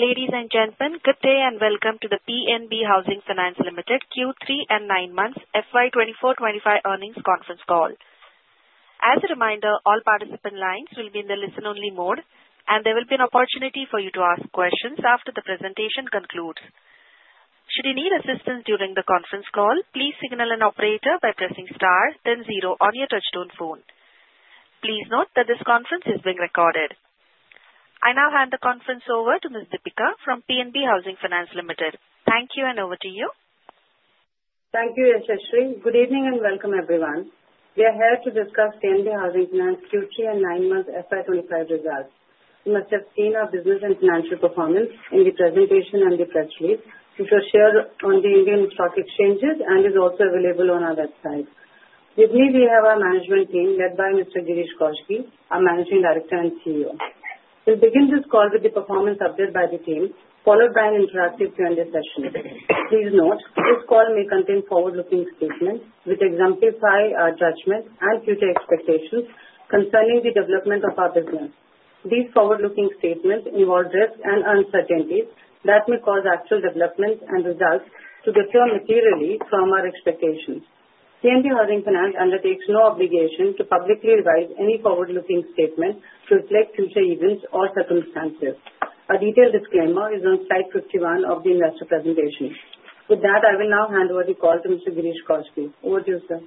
Ladies and gentlemen, good day and welcome to the PNB Housing Finance Limited Q3 and 9 Months FY24-25 Earnings Conference Call. As a reminder, all participant lines will be in the listen-only mode, and there will be an opportunity for you to ask questions after the presentation concludes. Should you need assistance during the conference call, please signal an operator by pressing star, then zero on your touch-tone phone. Please note that this conference is being recorded. I now hand the conference over to Ms. Deepika from PNB Housing Finance Limited. Thank you, and over to you. Thank you, Yashasri. Good evening and welcome, everyone. We are here to discuss PNB Housing Finance Q3 and 9 Months FY25 results. You must have seen our business and financial performance in the presentation and the press release, which was shared on the Indian Stock Exchanges and is also available on our website. With me, we have our management team led by Mr. Girish Kousgi, our Managing Director and CEO. We'll begin this call with the performance update by the team, followed by an interactive Q&A session. Please note, this call may contain forward-looking statements which exemplify our judgment and future expectations concerning the development of our business. These forward-looking statements involve risks and uncertainties that may cause actual developments and results to differ materially from our expectations. PNB Housing Finance undertakes no obligation to publicly revise any forward-looking statement to reflect future events or circumstances. A detailed disclaimer is on slide 51 of the investor presentation. With that, I will now hand over the call to Mr. Girish Kousgi. Over to you, sir.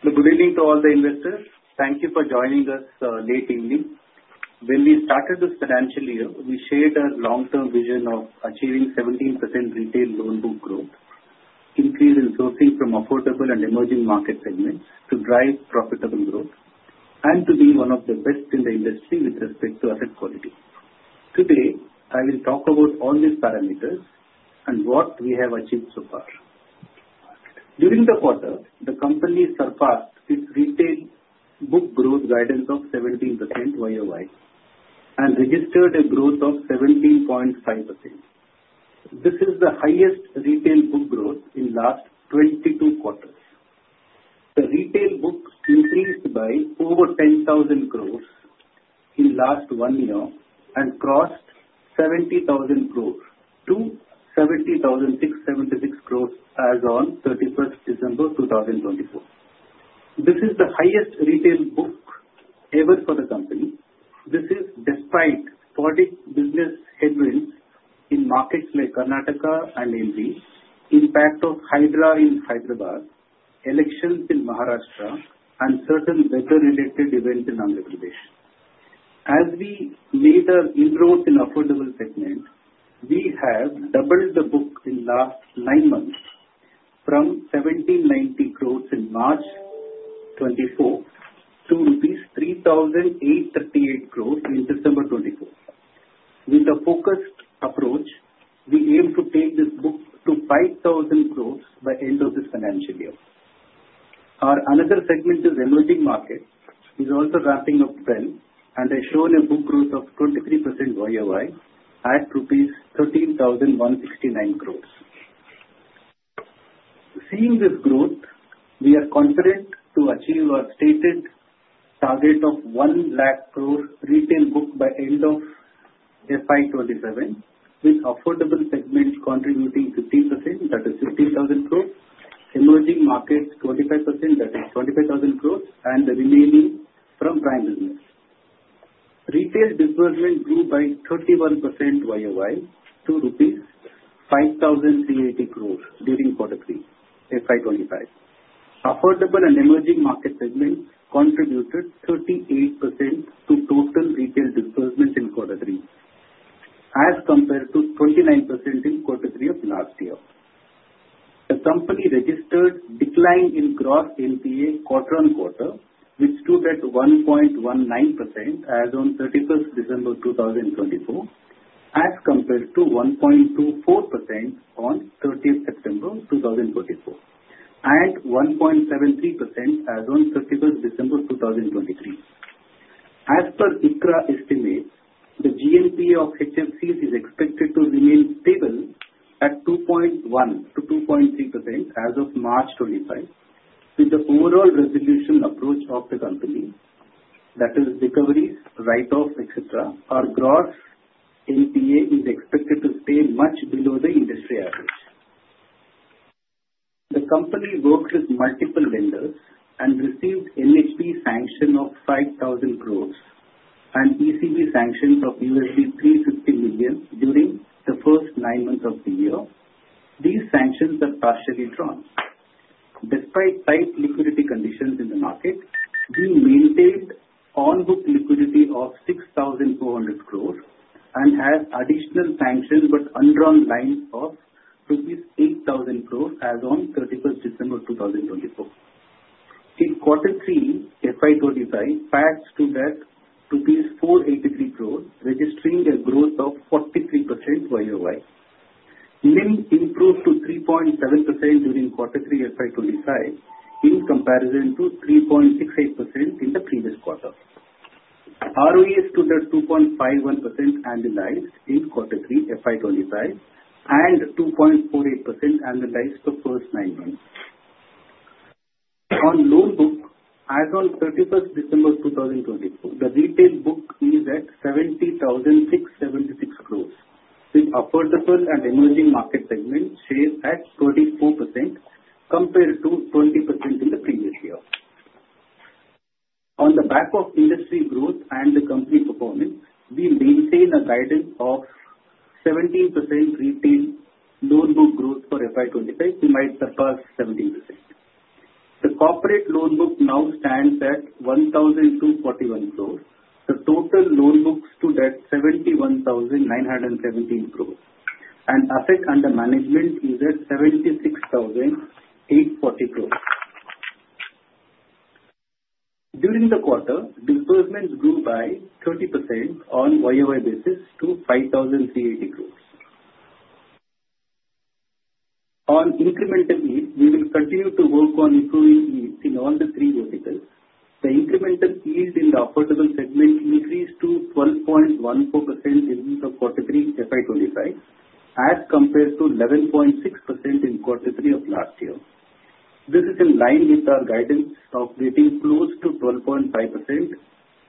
Good evening to all the investors. Thank you for joining us late evening. When we started this financial year, we shared a long-term vision of achieving 17% retail loan book growth, increase in sourcing from affordable and emerging market segments to drive profitable growth, and to be one of the best in the industry with respect to asset quality. Today, I will talk about all these parameters and what we have achieved so far. During the quarter, the company surpassed its retail book growth guidance of 17% year-over-year and registered a growth of 17.5%. This is the highest retail book growth in the last 22 quarters. The retail book increased by over 10,000 crore in the last one year and crossed 70,000 crore to 70,676 crore as of 31st December 2024. This is the highest retail book ever for the company. This is despite sporadic business headwinds in markets like Karnataka and Madhya Pradesh, impact of HYDRA in Hyderabad, elections in Maharashtra, and certain weather-related events in Bangalore. As we made our inroads in the affordable segment, we have doubled the book in the last nine months from 1,790 crore in March 2024 to rupees 3,838 crore in December 2024. With a focused approach, we aim to take this book to 5,000 crore by the end of this financial year. Our another segment, which is merging markets, is also ramping up well, and has shown a book growth of 23% year-over-year at rupees 13,169 crore. Seeing this growth, we are confident to achieve our stated target of 100,000 crore retail book by the end of FY27, with affordable segment contributing 15%, that is 15,000 crore, Emerging markets 25%, that is 25,000 crore, and the remaining from Prime business. Retail disbursement grew by 31% year-over-year to INR 5,080 crore during Q3 FY25. Affordable and Emerging market segment contributed 38% to total retail disbursement in Q3, as compared to 29% in Q3 of last year. The company registered a decline in gross NPA quarter-on-quarter, which stood at 1.19% as of 31st December 2024, as compared to 1.24% on 30th September 2024 and 1.73% as of 31st December 2023. As per ICRA estimates, the GNP of HFCs is expected to remain stable at 2.1%-2.3% as of March 2025, with the overall resolution approach of the company, that is, recoveries, write-offs, etc., or gross NPA is expected to stay much below the industry average. The company worked with multiple vendors and received NHB sanctions of 5,000 crore and ECB sanctions of $350 million during the first nine months of the year. These sanctions are partially drawn. Despite tight liquidity conditions in the market, we maintained on-book liquidity of 6,400 crore and had additional sanctions but undrawn lines of rupees 8,000 crore as of 31st December 2024. In Q3 FY25, PAT stood at 483 crore, registering a growth of 43% year-over-year. NIM improved to 3.7% during Q3 FY25 in comparison to 3.68% in the previous quarter. ROE stood at 2.51% annualized in Q3 FY25 and 2.48% annualized for the first nine months. On loan book, as of 31st December 2024, the retail book is at 70,676 crore, with affordable and emerging market segment shares at 34% compared to 20% in the previous year. On the back of industry growth and the company performance, we maintain a guidance of 17% retail loan book growth for FY25, which might surpass 17%. The corporate loan book now stands at 1,241 crore. The total loan book stood at 71,917 crore, and assets under management is at 76,840 crore. During the quarter, disbursements grew by 30% on a year-over-year basis to INR 5,380 crore. On incremental yield, we will continue to work on improving yields in all the three verticals. The incremental yield in the affordable segment increased to 12.14% in Q3 FY25, as compared to 11.6% in Q3 of last year. This is in line with our guidance of getting close to 12.5%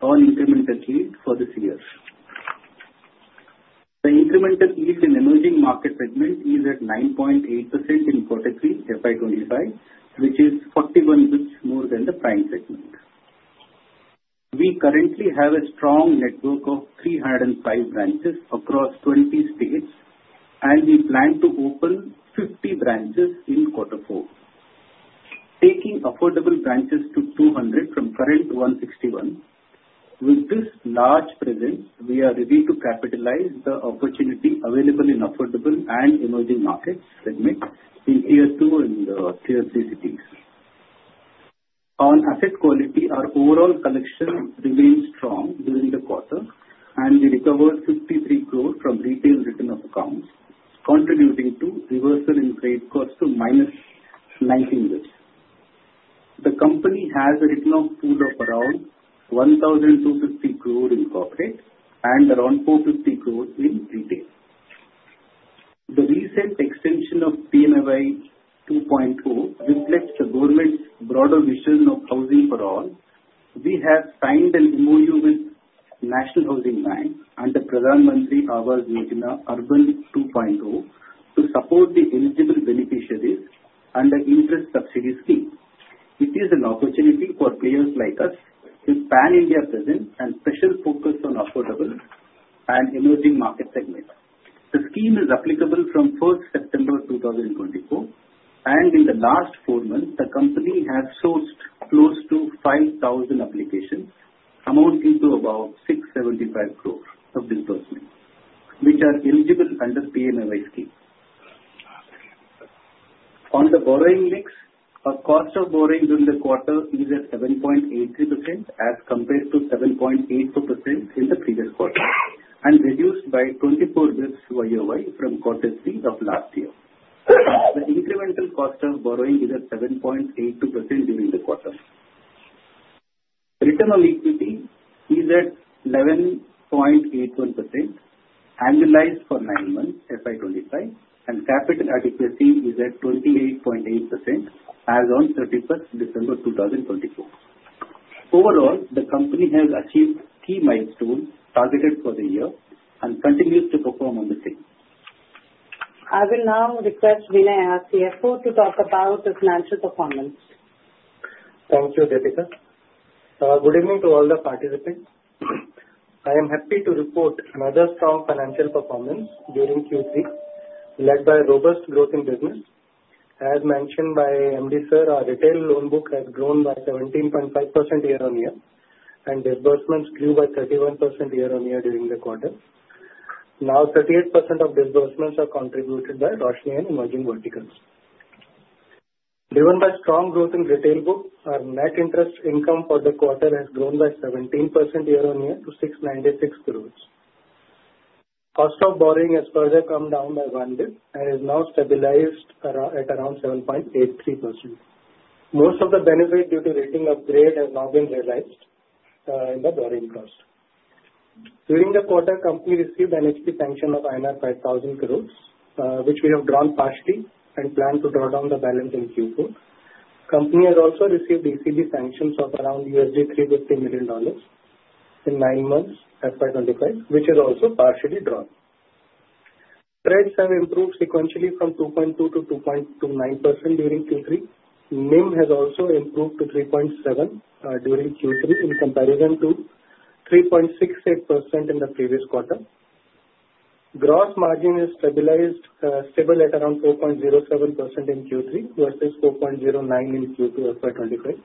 on incremental yield for this year. The incremental yield in the emerging market segment is at 9.8% in Q3 FY25, which is 41% more than the prime segment. We currently have a strong network of 305 branches across 20 states, and we plan to open 50 branches in Q4, taking affordable branches to 200 from current 161. With this large presence, we are ready to capitalize on the opportunity available in affordable and emerging market segments in Tier 2 and Tier 3 cities. On asset quality, our overall collection remained strong during the quarter, and we recovered 53 crore from retail written-off accounts, contributing to reversal in credit costs to minus 19%. The company has a written-off pool of around 1,250 crore in corporate and around 450 crore in retail. The recent extension of PMAY 2.0 reflects the government's broader vision of housing for all. We have signed an MOU with the National Housing Bank under Pradhan Mantri Awas Yojana Urban 2.0 to support the eligible beneficiaries under the interest subsidy scheme. It is an opportunity for players like us with a pan-India presence and a special focus on affordable and emerging market segments. The scheme is applicable from 1st September 2024, and in the last four months, the company has sourced close to 5,000 applications amounting to about 675 crore of disbursements, which are eligible under the PNB Housing Finance Scheme. On the borrowing mix, our cost of borrowing during the quarter is at 7.83% as compared to 7.82% in the previous quarter, and reduced by 24 basis points year-over-year from Q3 of last year. The incremental cost of borrowing is at 7.82% during the quarter. Return on equity is at 11.81% annualized for nine months FY25, and capital adequacy is at 28.8% as of 31st December 2024. Overall, the company has achieved key milestones targeted for the year and continues to perform on the same. I will now request Vinay, our CFO to talk about the financial performance. Thank you, Deepika. Good evening to all the participants. I am happy to report another strong financial performance during Q3, led by robust growth in business. As mentioned by MD Sir, our retail loan book has grown by 17.5% year-over-year, and disbursements grew by 31% year-over-year during the quarter. Now, 38% of disbursements are contributed by Roshni and emerging verticals. Driven by strong growth in retail book, our net interest income for the quarter has grown by 17% year-over-year to 696 crore. Cost of borrowing has further come down by one basis point and is now stabilized at around 7.83%. Most of the benefit due to rating upgrade has now been realized in the borrowing cost. During the quarter, the company received NHB sanctions of INR 5,000 crore, which we have drawn partially and plan to draw down the balance in Q4. The company has also received ECB sanctions of around $350 million in nine months FY25, which is also partially drawn. Spreads have improved sequentially from 2.2% to 2.29% during Q3. NIM has also improved to 3.7% during Q3 in comparison to 3.68% in the previous quarter. Gross NPA is stabilized, stable at around 4.07% in Q3 versus 4.09% in Q2 FY25.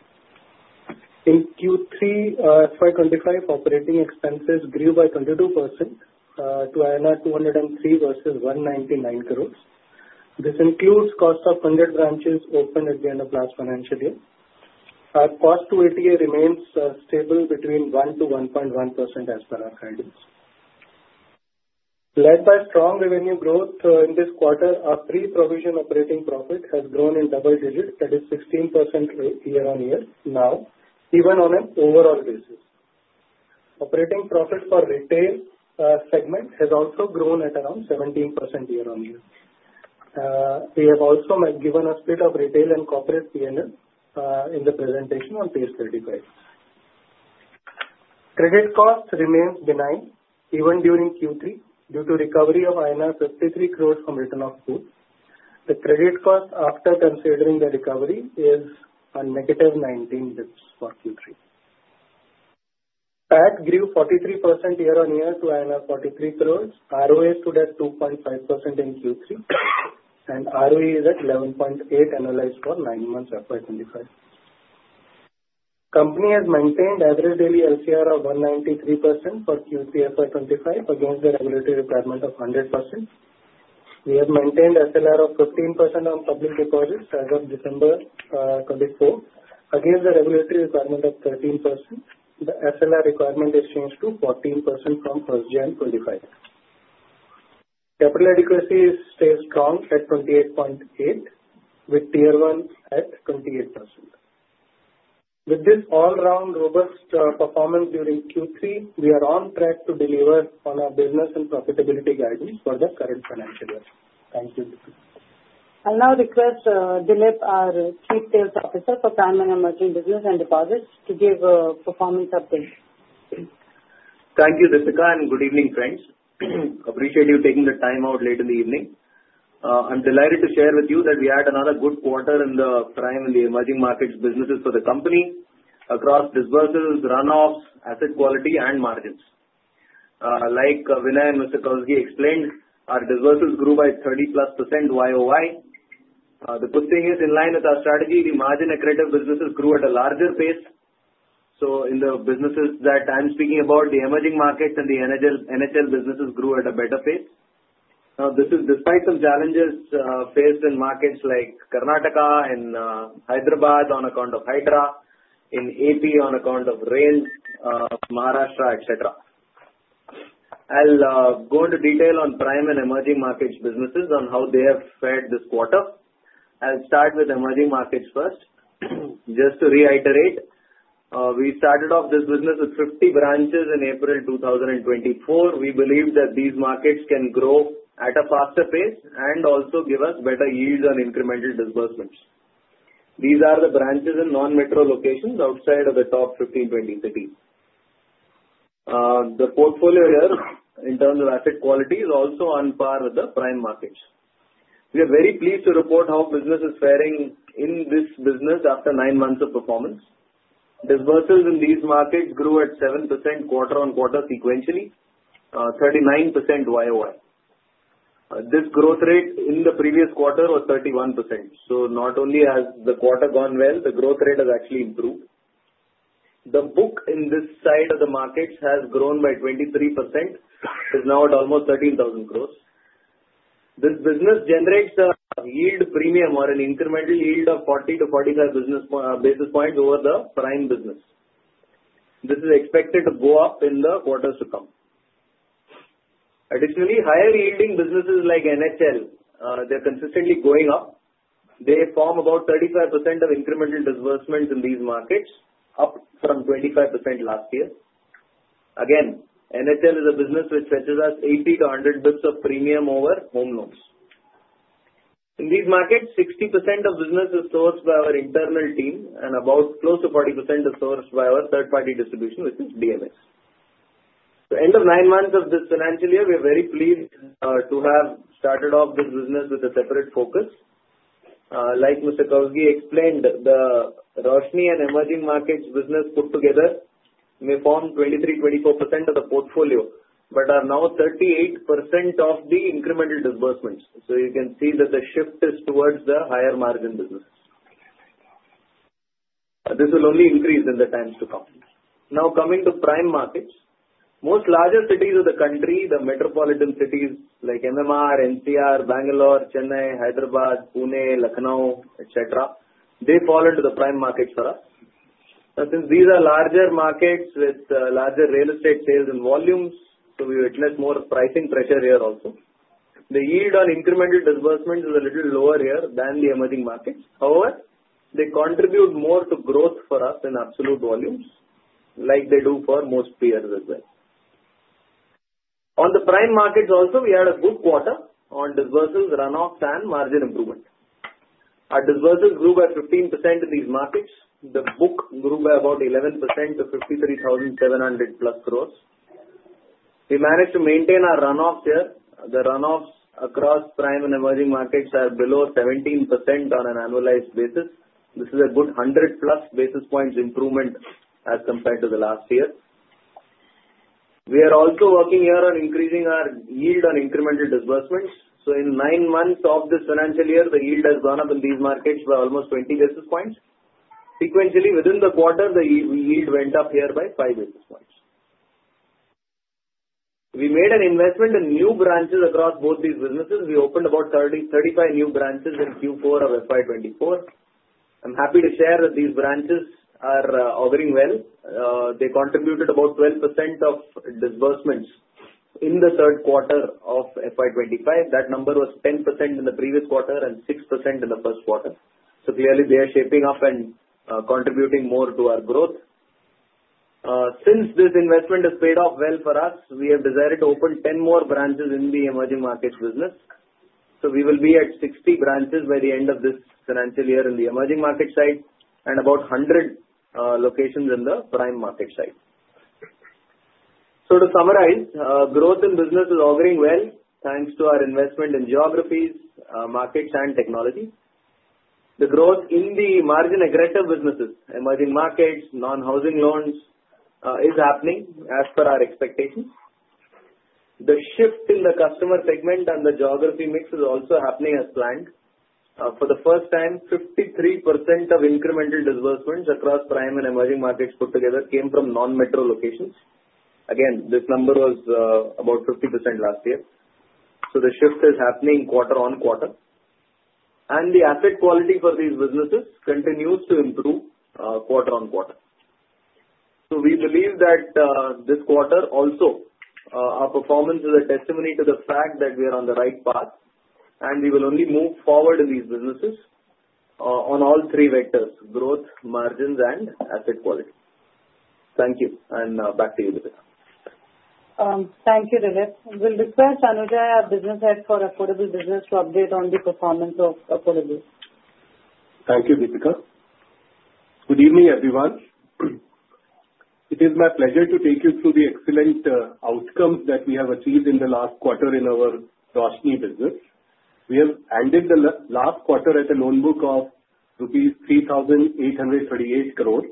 In Q3 FY25, operating expenses grew by 22% to 203 crore versus 199 crore. This includes the cost of 100 branches opened at the end of last financial year. Our cost to AUM remains stable between 1% to 1.1% as per our guidance. Led by strong revenue growth in this quarter, our pre-provision operating profit has grown in double digits, that is 16% year-over-year now, even on an overall basis. Operating profit for the retail segment has also grown at around 17% year-over-year. We have also given a split of retail and corporate PNB in the presentation on page 35. Credit cost remains benign even during Q3 due to the recovery of INR 53 crore from return of goods. The credit cost, after considering the recovery, is a negative 19 basis points for Q3. PAT grew 43% year-over-year to INR 43 crore. ROE stood at 2.5% in Q3, and ROE is at 11.8% annualized for nine months FY25. The company has maintained an average daily LCR of 193% for Q3 FY25 against the regulatory requirement of 100%. We have maintained an SLR of 15% on public deposits as of December 24, against the regulatory requirement of 13%. The SLR requirement has changed to 14% from FY25. Capital adequacy stays strong at 28.8%, with Tier 1 at 28%. With this all-round robust performance during Q3, we are on track to deliver on our business and profitability guidance for the current financial year. Thank you. I'll now request Dilip, our Chief Sales Officer for Prime and Emerging Business and Deposits, to give a performance update. Thank you, Deepika, and good evening, friends. I appreciate you taking the time out late in the evening. I'm delighted to share with you that we had another good quarter in the prime and the emerging markets businesses for the company across disbursals, runoffs, asset quality, and margins. Like Vinay and Mr. Kousgi explained, our disbursals grew by 30-plus% year-over-year. The good thing is, in line with our strategy, the margin-accretive businesses grew at a larger pace. So, in the businesses that I'm speaking about, the emerging markets and the NHL businesses grew at a better pace. Now, this is despite some challenges faced in markets like Karnataka and Hyderabad on account of Hydra, in AP on account of rail, Maharashtra, etc. I'll go into detail on prime and emerging markets businesses and how they have fared this quarter. I'll start with emerging markets first. Just to reiterate, we started off this business with 50 branches in April 2024. We believe that these markets can grow at a faster pace and also give us better yields on incremental disbursements. These are the branches in non-metro locations outside of the top 15-20 cities. The portfolio here, in terms of asset quality, is also on par with the prime markets. We are very pleased to report how business is faring in this business after nine months of performance. Disbursals in these markets grew at 7% quarter-on-quarter sequentially, 39% year-over-year. This growth rate in the previous quarter was 31%. So, not only has the quarter gone well, the growth rate has actually improved. The book in this side of the markets has grown by 23%. It's now at almost 13,000 crore. This business generates a yield premium or an incremental yield of 40 to 45 basis points over the prime business. This is expected to go up in the quarters to come. Additionally, higher-yielding businesses like NHL, they're consistently going up. They form about 35% of incremental disbursements in these markets, up from 25% last year. Again, NHL is a business which fetches us 80 to 100 basis points of premium over home loans. In these markets, 60% of business is sourced by our internal team, and close to 40% is sourced by our third-party distribution, which is DMA. So, at the end of nine months of this financial year, we are very pleased to have started off this business with a separate focus. Like Mr. Kousgi explained, the Roshni and emerging markets business put together may form 23-24% of the portfolio, but are now 38% of the incremental disbursements. You can see that the shift is towards the higher-margin businesses. This will only increase in the times to come. Now, coming to prime markets, most larger cities of the country, the metropolitan cities like MMR, NCR, Bangalore, Chennai, Hyderabad, Pune, Lucknow, etc., they fall into the prime markets for us. Now, since these are larger markets with larger real estate sales and volumes, so we witness more pricing pressure here also. The yield on incremental disbursements is a little lower here than the emerging markets. However, they contribute more to growth for us in absolute volumes, like they do for most peers as well. On the prime markets also, we had a good quarter on disbursals, runoffs, and margin improvement. Our disbursals grew by 15% in these markets. The book grew by about 11% to 53,700-plus crore. We managed to maintain our runoffs here. The runoffs across prime and emerging markets are below 17% on an annualized basis. This is a good 100-plus basis points improvement as compared to the last year. We are also working here on increasing our yield on incremental disbursements. So, in nine months of this financial year, the yield has gone up in these markets by almost 20 basis points. Sequentially, within the quarter, the yield went up here by 5 basis points. We made an investment in new branches across both these businesses. We opened about 35 new branches in Q4 of FY24. I'm happy to share that these branches are operating well. They contributed about 12% of disbursements in the third quarter of FY25. That number was 10% in the previous quarter and 6% in the first quarter. So, clearly, they are shaping up and contributing more to our growth. Since this investment has paid off well for us, we have decided to open 10 more branches in the emerging markets business. So, we will be at 60 branches by the end of this financial year on the emerging market side and about 100 locations in the prime market side. So, to summarize, growth in business is operating well thanks to our investment in geographies, markets, and technology. The growth in the margin-accretive businesses, emerging markets, non-housing loans, is happening as per our expectations. The shift in the customer segment and the geography mix is also happening as planned. For the first time, 53% of incremental disbursements across prime and emerging markets put together came from non-metro locations. Again, this number was about 50% last year. So, the shift is happening quarter-on-quarter, and the asset quality for these businesses continues to improve quarter-on-quarter. So, we believe that this quarter also, our performance is a testimony to the fact that we are on the right path, and we will only move forward in these businesses on all three vectors: growth, margins, and asset quality. Thank you, and back to you, Deepika. Thank you, Dilip. We'll request Anujai, our Business Head for Affordable Housing, to update on the performance of Affordable. Thank you, Deepika. Good evening, everyone. It is my pleasure to take you through the excellent outcomes that we have achieved in the last quarter in our Roshni business. We have ended the last quarter at a loan book of rupees 3,838 crore,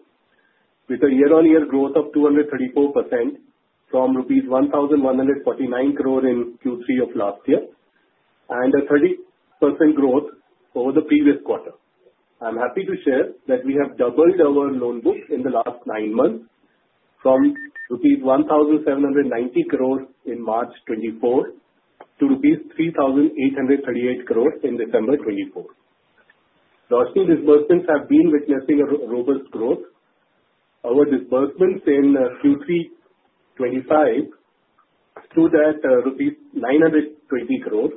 with a year-on-year growth of 234% from rupees 1,149 crore in Q3 of last year, and a 30% growth over the previous quarter. I'm happy to share that we have doubled our loan book in the last nine months from rupees 1,790 crore in March 2024 to rupees 3,838 crore in December 2024. Roshni disbursements have been witnessing a robust growth. Our disbursements in Q3 2025 stood at INR 920 crore,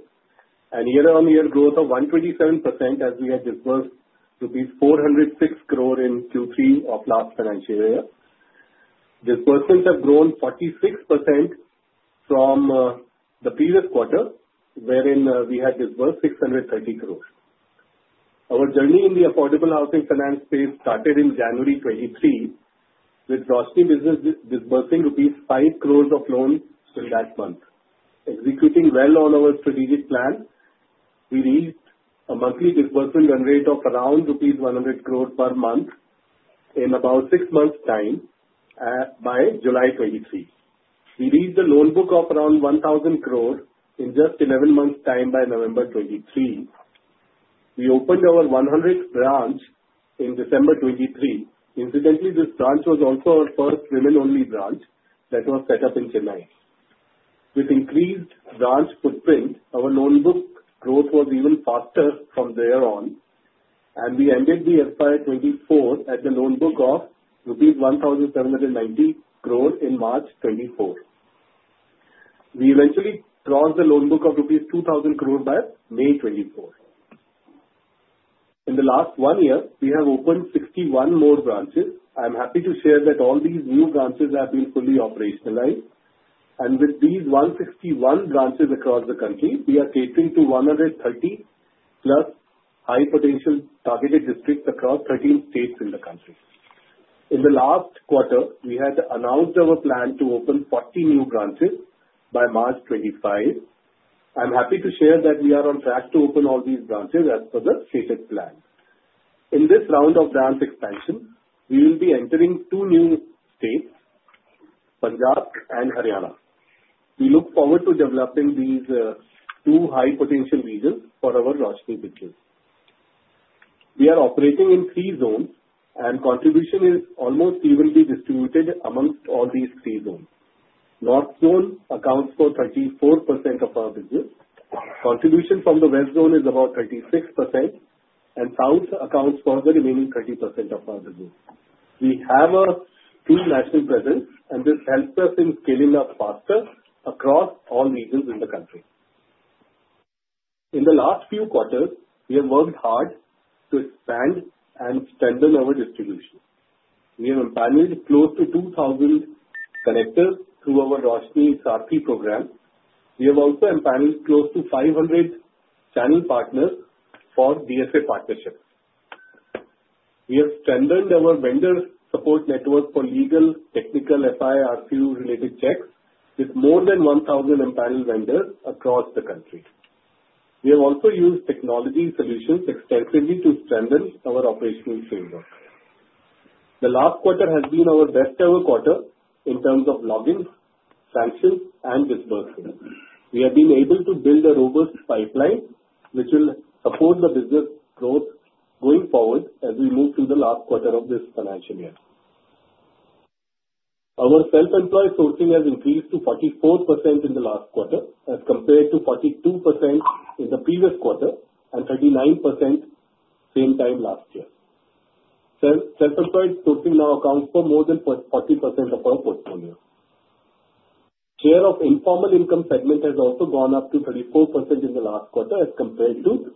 a year-on-year growth of 127% as we had disbursed rupees 406 crore in Q3 of last financial year. Disbursements have grown 46% from the previous quarter, wherein we had disbursed 630 crore. Our journey in the affordable housing finance space started in January 2023, with Roshni business disbursing 5 crore rupees of loans in that month. Executing well on our strategic plan, we reached a monthly disbursement run rate of around rupees 100 crore per month in about six months' time by July 2023. We reached a loan book of around 1,000 crore in just 11 months' time by November 2023. We opened our 100th branch in December 2023. Incidentally, this branch was also our first women-only branch that was set up in Chennai. With increased branch footprint, our loan book growth was even faster from there on, and we ended the FY 2024 at the loan book of rupees 1,790 crore in March 2024. We eventually crossed the loan book of rupees 2,000 crore by May 2024. In the last one year, we have opened 61 more branches. I'm happy to share that all these new branches have been fully operationalized, and with these 161 branches across the country, we are catering to 130-plus high-potential targeted districts across 13 states in the country. In the last quarter, we had announced our plan to open 40 new branches by March 2025. I'm happy to share that we are on track to open all these branches as per the stated plan. In this round of branch expansion, we will be entering two new states, Punjab and Haryana. We look forward to developing these two high-potential regions for our Roshni business. We are operating in three zones, and contribution is almost evenly distributed amongst all these three zones. North zone accounts for 34% of our business. Contribution from the west zone is about 36%, and south accounts for the remaining 30% of our business. We have a true national presence, and this helps us in scaling up faster across all regions in the country. In the last few quarters, we have worked hard to expand and strengthen our distribution. We have empaneled close to 2,000 connectors through our Roshni Saathi program. We have also empaneled close to 500 channel partners for DSAs partnerships. We have strengthened our vendor support network for legal, technical, FI, RCU-related checks with more than 1,000 empaneled vendors across the country. We have also used technology solutions extensively to strengthen our operational framework. The last quarter has been our best-ever quarter in terms of logins, sanctions, and disbursements. We have been able to build a robust pipeline which will support the business growth going forward as we move through the last quarter of this financial year. Our self-employed sourcing has increased to 44% in the last quarter as compared to 42% in the previous quarter and 39% same time last year. Self-employed sourcing now accounts for more than 40% of our portfolio. Share of informal income segment has also gone up to 34% in the last quarter as compared to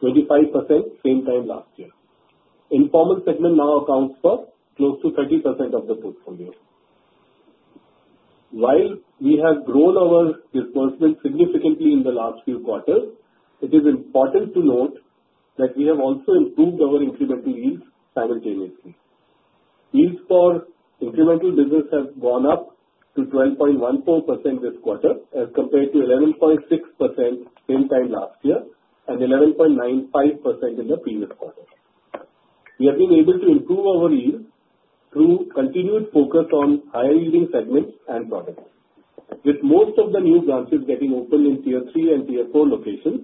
25% same time last year. Informal segment now accounts for close to 30% of the portfolio. While we have grown our disbursement significantly in the last few quarters, it is important to note that we have also improved our incremental yields simultaneously. Yields for incremental business have gone up to 12.14% this quarter as compared to 11.6% same time last year and 11.95% in the previous quarter. We have been able to improve our yields through continued focus on higher-yielding segments and products. With most of the new branches getting open in Tier 3 and Tier 4 locations,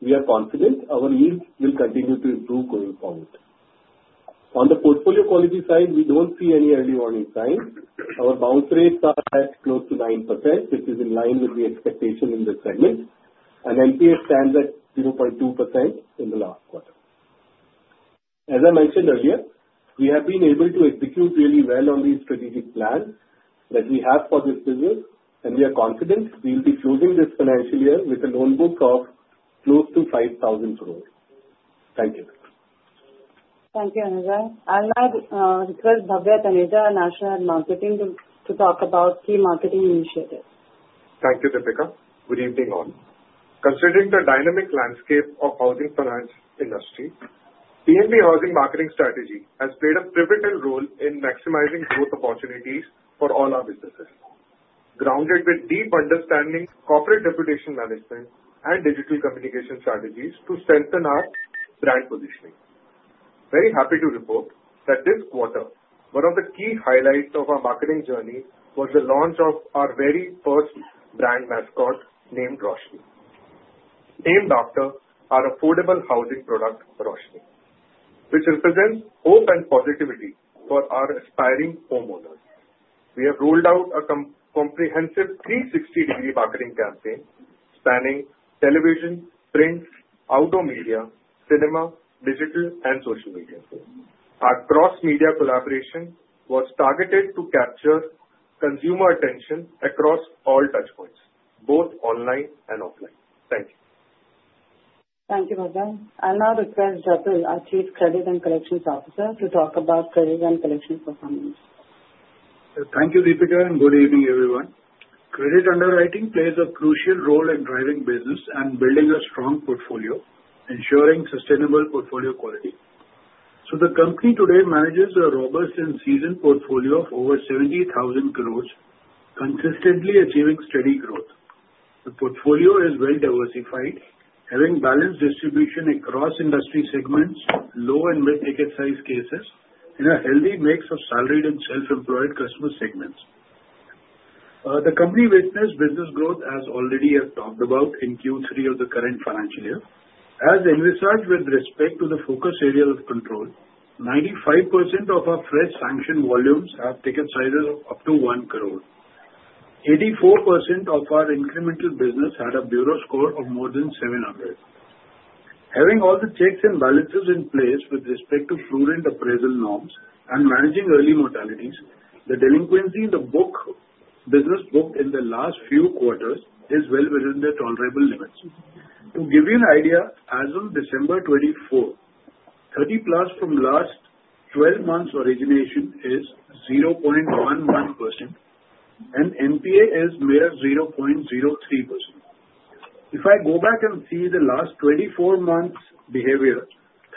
we are confident our yields will continue to improve going forward. On the portfolio quality side, we don't see any early warning signs. Our bounce rates are at close to 9%, which is in line with the expectation in this segment, and NPA stands at 0.2% in the last quarter. As I mentioned earlier, we have been able to execute really well on the strategic plan that we have for this business, and we are confident we will be closing this financial year with a loan book of close to 5,000 crore. Thank you. Thank you, Anujay. I'll now request Bhavya Taneja, National Marketing, to talk about key marketing initiatives. Thank you, Deepika. Good evening, all. Considering the dynamic landscape of housing finance industry, PNB Housing Marketing Strategy has played a pivotal role in maximizing growth opportunities for all our businesses, grounded with deep understandings, corporate reputation management, and digital communication strategies to strengthen our brand positioning. Very happy to report that this quarter, one of the key highlights of our marketing journey was the launch of our very first brand mascot named Roshni. Named after our affordable housing product, Roshni, which represents hope and positivity for our aspiring homeowners. We have rolled out a comprehensive 360-degree marketing campaign spanning television, print, outdoor media, cinema, digital, and social media. Our cross-media collaboration was targeted to capture consumer attention across all touchpoints, both online and offline. Thank you. Thank you, Bhavya. I'll now request Jatul, our Chief Credit and Collections Officer, to talk about credit and collection performance. Thank you, Deepika, and good evening, everyone. Credit underwriting plays a crucial role in driving business and building a strong portfolio, ensuring sustainable portfolio quality. So, the company today manages a robust and seasoned portfolio of over 70,000 crores, consistently achieving steady growth. The portfolio is well-diversified, having balanced distribution across industry segments, low and mid-ticket size cases, and a healthy mix of salaried and self-employed customer segments. The company witnessed business growth, as already talked about in Q3 of the current financial year. As in research with respect to the focus area of control, 95% of our fresh sanctioned volumes have ticket sizes of up to one crore. 84% of our incremental business had a Bureau score of more than 700. Having all the checks and balances in place with respect to prudent appraisal norms and managing early mortalities, the delinquency in the book business booked in the last few quarters is well within the tolerable limits. To give you an idea, as of December 2024, 30 plus from last 12 months' origination is 0.11%, and NPA is mere 0.03%. If I go back and see the last 24 months' behavior,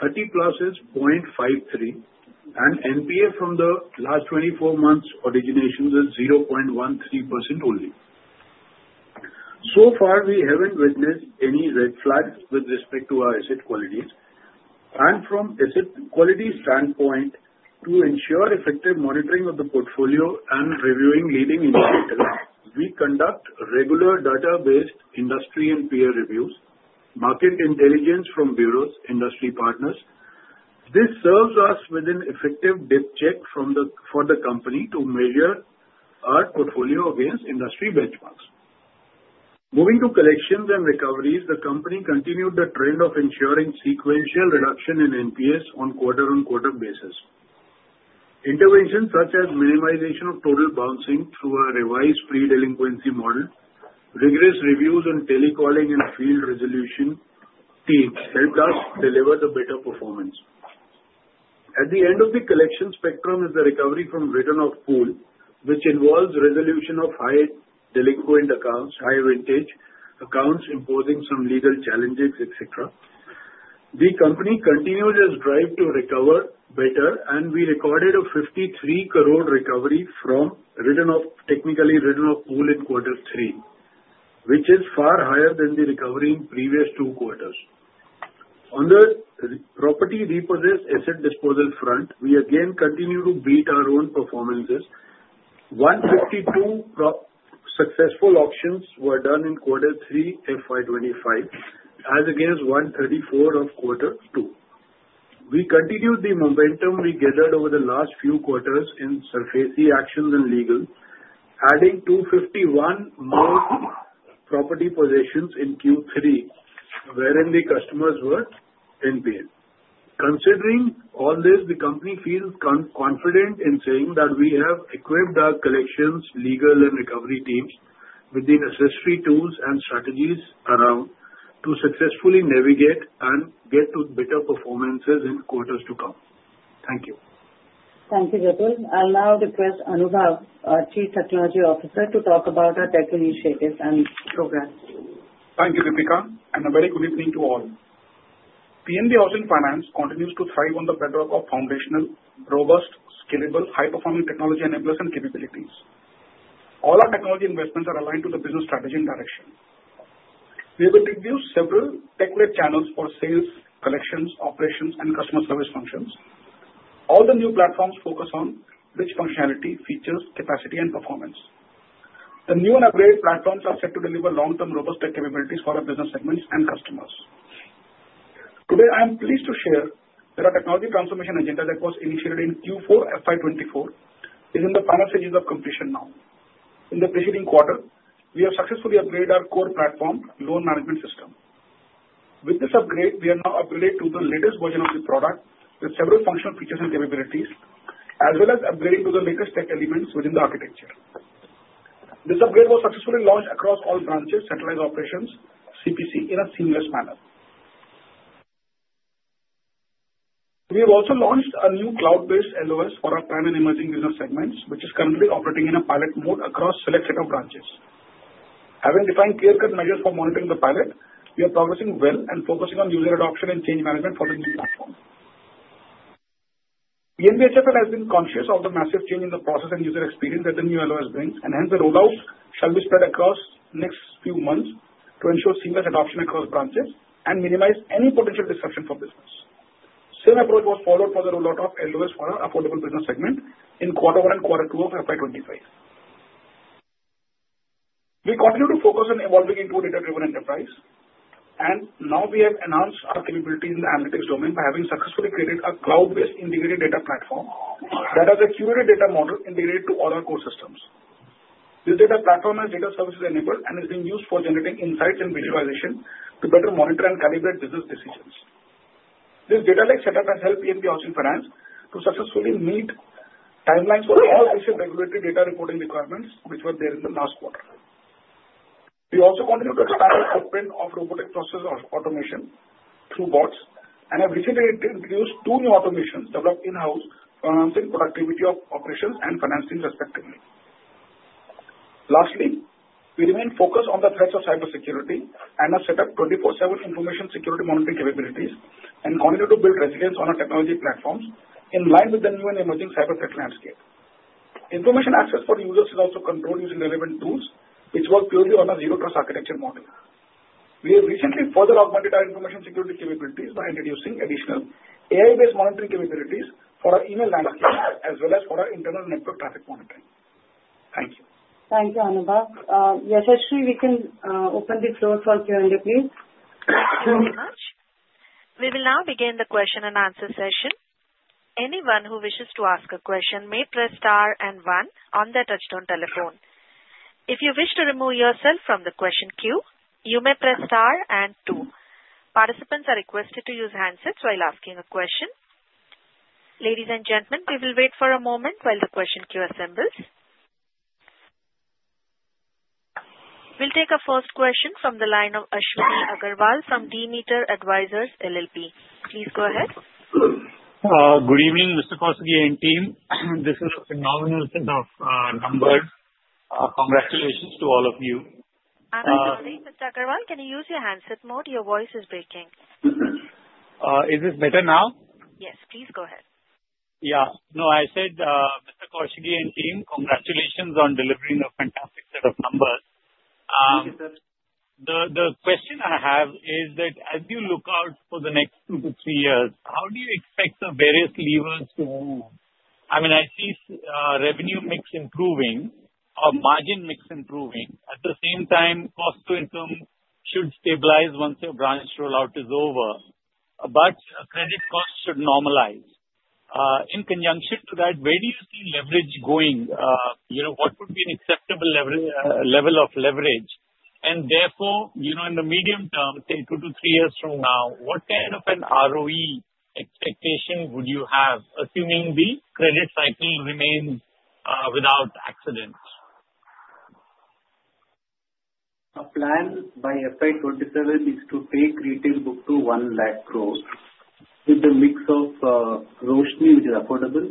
30 plus is 0.53, and NPA from the last 24 months' origination is 0.13% only. So far, we haven't witnessed any red flags with respect to our asset qualities. And from an asset quality standpoint, to ensure effective monitoring of the portfolio and reviewing leading indicators, we conduct regular data-based industry and peer reviews, market intelligence from bureaus, industry partners. This serves us with an effective dip check for the company to measure our portfolio against industry benchmarks. Moving to collections and recoveries, the company continued the trend of ensuring sequential reduction in NPAs on quarter-on-quarter basis. Interventions such as minimization of total bouncing through a revised pre-delinquency model, rigorous reviews on tele-calling and field resolution teams helped us deliver the better performance. At the end of the collection spectrum is the recovery from written-off pool, which involves resolution of high-delinquent accounts, high-vintage accounts imposing some legal challenges, etc. The company continues its drive to recover better, and we recorded a 53 crore recovery from written-off, technically written-off pool in quarter three, which is far higher than the recovery in previous two quarters. On the property repossessed asset disposal front, we again continue to beat our own performances. 152 successful auctions were done in quarter three FY25, as against 134 of quarter two. We continued the momentum we gathered over the last few quarters in SARFAESI actions and legal, adding 251 more property possessions in Q3, wherein the customers were in pain. Considering all this, the company feels confident in saying that we have equipped our collections, legal, and recovery teams with the necessary tools and strategies around to successfully navigate and get to better performances in quarters to come. Thank you. Thank you, Jatul. I'll now request Anubhav, our Chief Technology Officer, to talk about our tech initiatives and program. Thank you, Deepika, and a very good evening to all. PNB Housing Finance continues to thrive on the bedrock of foundational, robust, scalable, high-performing technology enablers and capabilities. All our technology investments are aligned to the business strategy and direction. We have introduced several tech-led channels for sales, collections, operations, and customer service functions. All the new platforms focus on rich functionality, features, capacity, and performance. The new and upgraded platforms are set to deliver long-term robust tech capabilities for our business segments and customers. Today, I am pleased to share that our technology transformation agenda that was initiated in Q4 FY24 is in the final stages of completion now. In the preceding quarter, we have successfully upgraded our core platform, loan management system. With this upgrade, we are now upgraded to the latest version of the product with several functional features and capabilities, as well as upgrading to the latest tech elements within the architecture. This upgrade was successfully launched across all branches, centralized operations, CPC, in a seamless manner. We have also launched a new cloud-based LOS for our prime and emerging business segments, which is currently operating in a pilot mode across a select set of branches. Having defined clear-cut measures for monitoring the pilot, we are progressing well and focusing on user adoption and change management for the new platform. PNB HFL has been conscious of the massive change in the process and user experience that the new LOS brings, and hence the rollout shall be spread across the next few months to ensure seamless adoption across branches and minimize any potential disruption for business. The same approach was followed for the rollout of LOS for our affordable business segment in quarter one and quarter two of FY25. We continue to focus on evolving into a data-driven enterprise, and now we have announced our capabilities in the analytics domain by having successfully created a cloud-based integrated data platform that has a curated data model integrated to all our core systems. This data platform has data services enabled and is being used for generating insights and visualization to better monitor and calibrate business decisions. This data lake setup has helped PNB Housing Finance to successfully meet timelines for all recent regulatory data reporting requirements which were there in the last quarter. We also continue to expand our footprint of robotic process automation through bots, and have recently introduced two new automations developed in-house for enhancing productivity of operations and financing, respectively. Lastly, we remain focused on the threats of cybersecurity and have set up 24/7 information security monitoring capabilities and continue to build resilience on our technology platforms in line with the new and emerging cybersecurity landscape. Information access for users is also controlled using relevant tools, which work purely on a zero-trust architecture model. We have recently further augmented our information security capabilities by introducing additional AI-based monitoring capabilities for our email landscape as well as for our internal network traffic monitoring. Thank you. Thank you, Anubhav. Yashasri, we can open the floor for Q&A, please. Thank you very much. We will now begin the question and answer session. Anyone who wishes to ask a question may press star and one on their touch-tone telephone. If you wish to remove yourself from the question queue, you may press star and two. Participants are requested to use handsets while asking a question. Ladies and gentlemen, we will wait for a moment while the question queue assembles. We'll take a first question from the line of Ashwini Agarwal from Demeter Advisors LLP. Please go ahead. Good evening, Mr. Kousgi and team. This is a phenomenal set of numbers. Congratulations to all of you. I'm Ashwini. Mr. Agarwal, can you use your handset mode? Your voice is breaking. Is this better now? Yes. Please go ahead. Yeah. No, I said, Mr. Kousgi and team, congratulations on delivering a fantastic set of numbers. The question I have is that as you look out for the next two to three years, how do you expect the various levers to move? I mean, I see revenue mix improving, margin mix improving. At the same time, cost to income should stabilize once the branch rollout is over, but credit costs should normalize. In conjunction to that, where do you see leverage going? What would be an acceptable level of leverage? And therefore, in the medium term, say two to three years from now, what kind of an ROE expectation would you have, assuming the credit cycle remains without accident? Our plan by FY27 is to take retail book to 1 lakh crores with the mix of Roshni, which is affordable,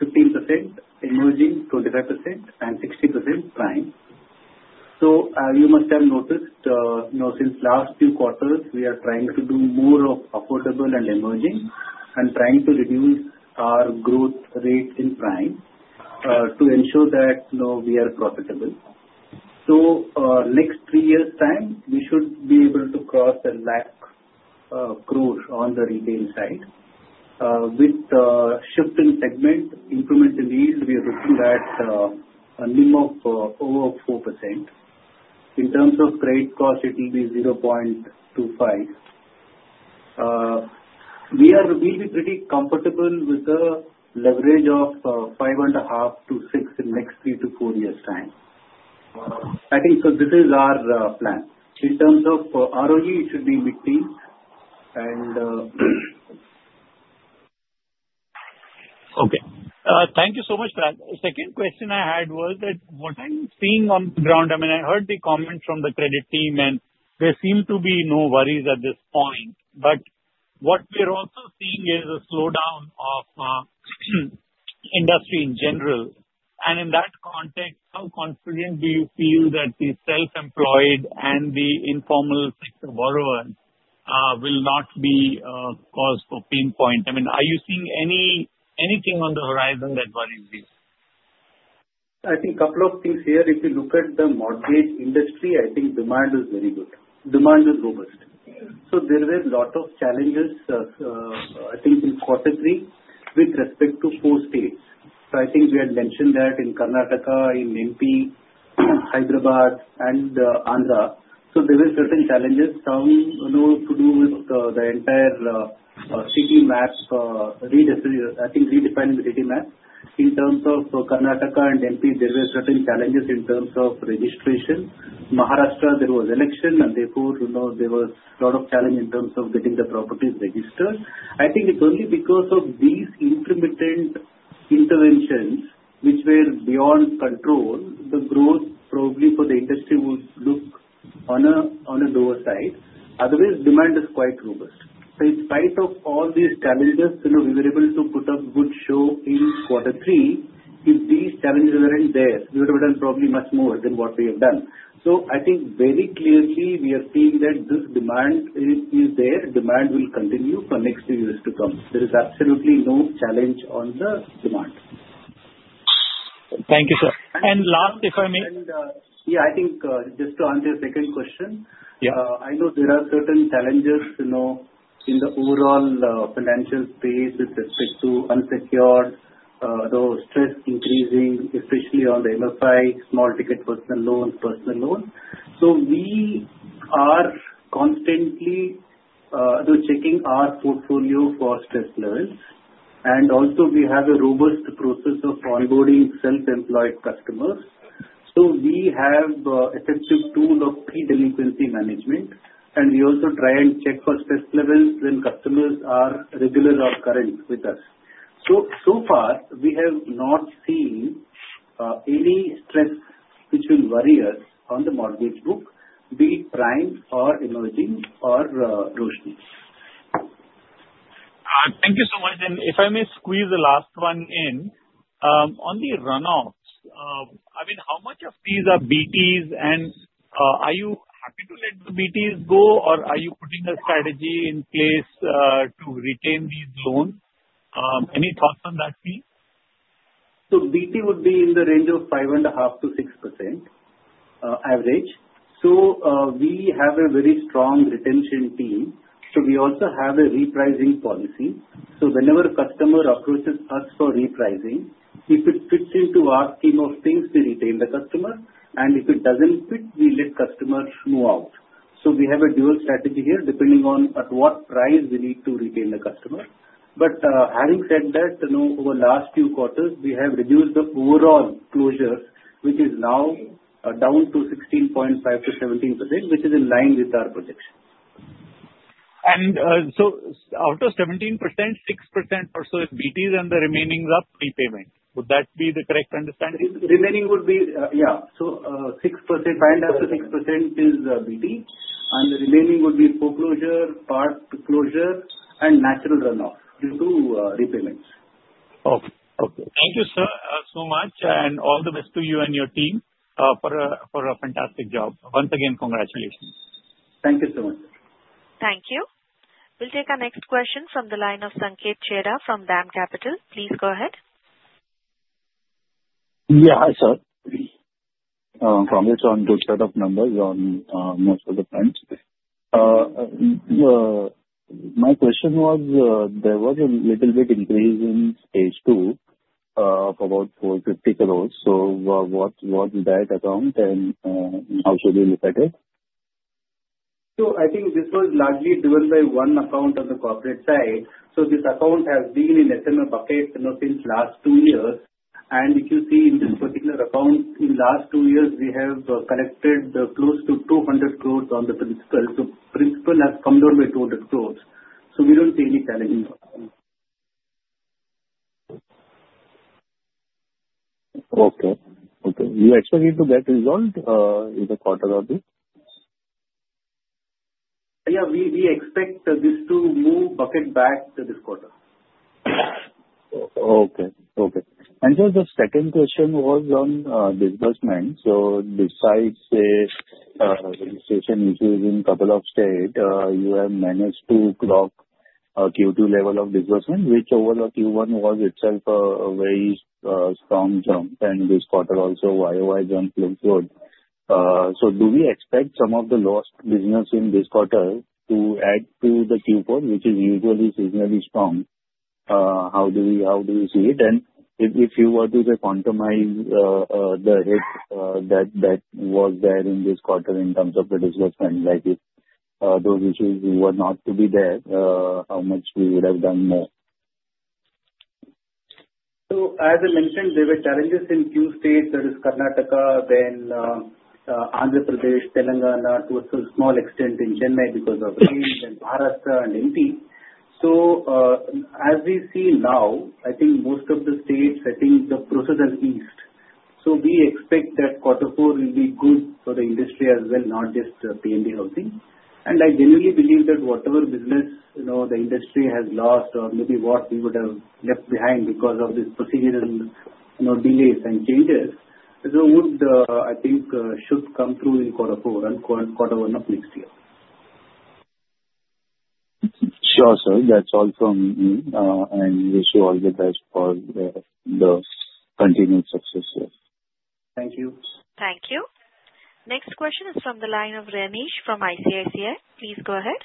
15%, emerging 25%, and 60% prime. So you must have noticed since last few quarters, we are trying to do more of affordable and emerging and trying to reduce our growth rate in prime to ensure that we are profitable. So next three years' time, we should be able to cross a lakh crores on the retail side. With the shift in segment, increment in yield, we are looking at a minimum of over 4%. In terms of credit cost, it will be 0.25. We will be pretty comfortable with the leverage of five and a half to six in the next three to four years' time. I think so this is our plan. In terms of ROE, it should be mid-teens. Okay. Thank you so much for that. The second question I had was that what I'm seeing on the ground, I mean, I heard the comments from the credit team, and there seem to be no worries at this point. But what we are also seeing is a slowdown of industry in general. And in that context, how confident do you feel that the self-employed and the informal sector borrowers will not cause pain points? I mean, are you seeing anything on the horizon that worries you? I think a couple of things here. If you look at the mortgage industry, I think demand is very good. Demand is robust. So there were a lot of challenges, I think, in quarter three with respect to four states. So I think we had mentioned that in Karnataka, in MP, Hyderabad, and Andhra. So there were certain challenges to do with the entire city map, I think, redefining the city map. In terms of Karnataka and NP, there were certain challenges in terms of registration. Maharashtra, there was election, and therefore, there was a lot of challenge in terms of getting the properties registered. I think it's only because of these intermittent interventions, which were beyond control, the growth probably for the industry would look on a lower side. Otherwise, demand is quite robust. So in spite of all these challenges, we were able to put up a good show in quarter three. If these challenges weren't there, we would have done probably much more than what we have done. So I think very clearly we are seeing that this demand is there. Demand will continue for next few years to come. There is absolutely no challenge on the demand. Thank you, sir. And last, if I may. Yeah, I think just to answer your second question, I know there are certain challenges in the overall financial space with respect to unsecured, those stress increasing, especially on the MFI, small ticket personal loans, personal loans. So we are constantly checking our portfolio for stress levels. And also, we have a robust process of onboarding self-employed customers. So we have an effective tool of pre-delinquency management, and we also try and check for stress levels when customers are regular or current with us. So far, we have not seen any stress which will worry us on the mortgage book, be it prime or emerging or Roshni. Thank you so much. And if I may squeeze the last one in, on the runoffs, I mean, how much of these are BTs? Are you happy to let the BTs go, or are you putting a strategy in place to retain these loans? Any thoughts on that, please? BT would be in the range of 5.5-6% average. We have a very strong retention team. We also have a repricing policy. Whenever a customer approaches us for repricing, if it fits into our scheme of things, we retain the customer. And if it doesn't fit, we let customers move out. We have a dual strategy here depending on at what price we need to retain the customer. But having said that, over the last few quarters, we have reduced the overall closure, which is now down to 16.5-17%, which is in line with our projection. Out of 17%, 6% or so is BTs, and the remaining is a prepayment. Would that be the correct understanding? Remaining would be, yeah, so 6%, 5.5%-6% is BT, and the remaining would be foreclosure, part closure, and natural runoff due to repayments. Okay. Thank you so much, and all the best to you and your team for a fantastic job. Once again, congratulations. Thank you so much. Thank you. We'll take our next question from the line of Sanket Chheda from DAM Capital. Please go ahead. Yeah, hi, sir. I'm agreed on two sets of numbers on most of the points. My question was there was a little bit of an increase in Stage 2 of about 450 crores. So what was that account, and how should we look at it? I think this was largely driven by one account on the corporate side. This account has been in SMA bucket since last two years. And if you see in this particular account, in the last two years, we have collected close to 200 crores on the principal. Principal has come down by 200 crores. We don't see any challenge. Okay. We expect it to get resolved in the quarter of this? Yeah. We expect this to move bucket back this quarter. Okay. Okay. And just the second question was on disbursement. So besides, say, registration issues in a couple of states, you have managed to clock Q2 level of disbursement, which overall Q1 was itself a very strong jump. And this quarter also, YOY jump looks good. So do we expect some of the lost business in this quarter to add to the Q4, which is usually seasonally strong? How do you see it? And if you were to say quantify the hit that was there in this quarter in terms of the disbursement, like if those issues were not to be there, how much we would have done more? So as I mentioned, there were challenges in two states. There is Karnataka, then Andhra Pradesh, Telangana, to a small extent in Chennai because of rain, then Maharashtra and Madhya Pradesh. So as we see now, I think most of the states, I think the process is eased. So we expect that quarter four will be good for the industry as well, not just PNB Housing. And I genuinely believe that whatever business the industry has lost or maybe what we would have left behind because of this procedural delays and changes, I think should come through in quarter four and quarter one of next year. Sure, sir. That's all from me, and wish you all the best for the continued success. Thank you. Thank you. Next question is from the line of Ramesh from ICICI. Please go ahead.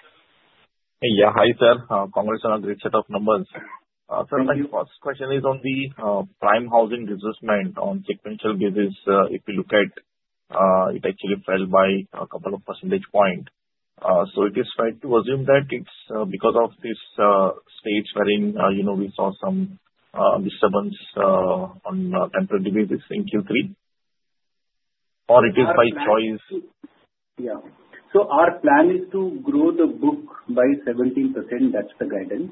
Yeah. Hi, sir. Congrats on a great set of numbers. Sir, my first question is on the prime housing disbursement on sequential basis. If you look at it, it actually fell by a couple of percentage points. So it is fair to assume that it's because of these states wherein we saw some disturbance on temporary basis in Q3, or it is by choice? Yeah. So our plan is to grow the book by 17%. That's the guidance.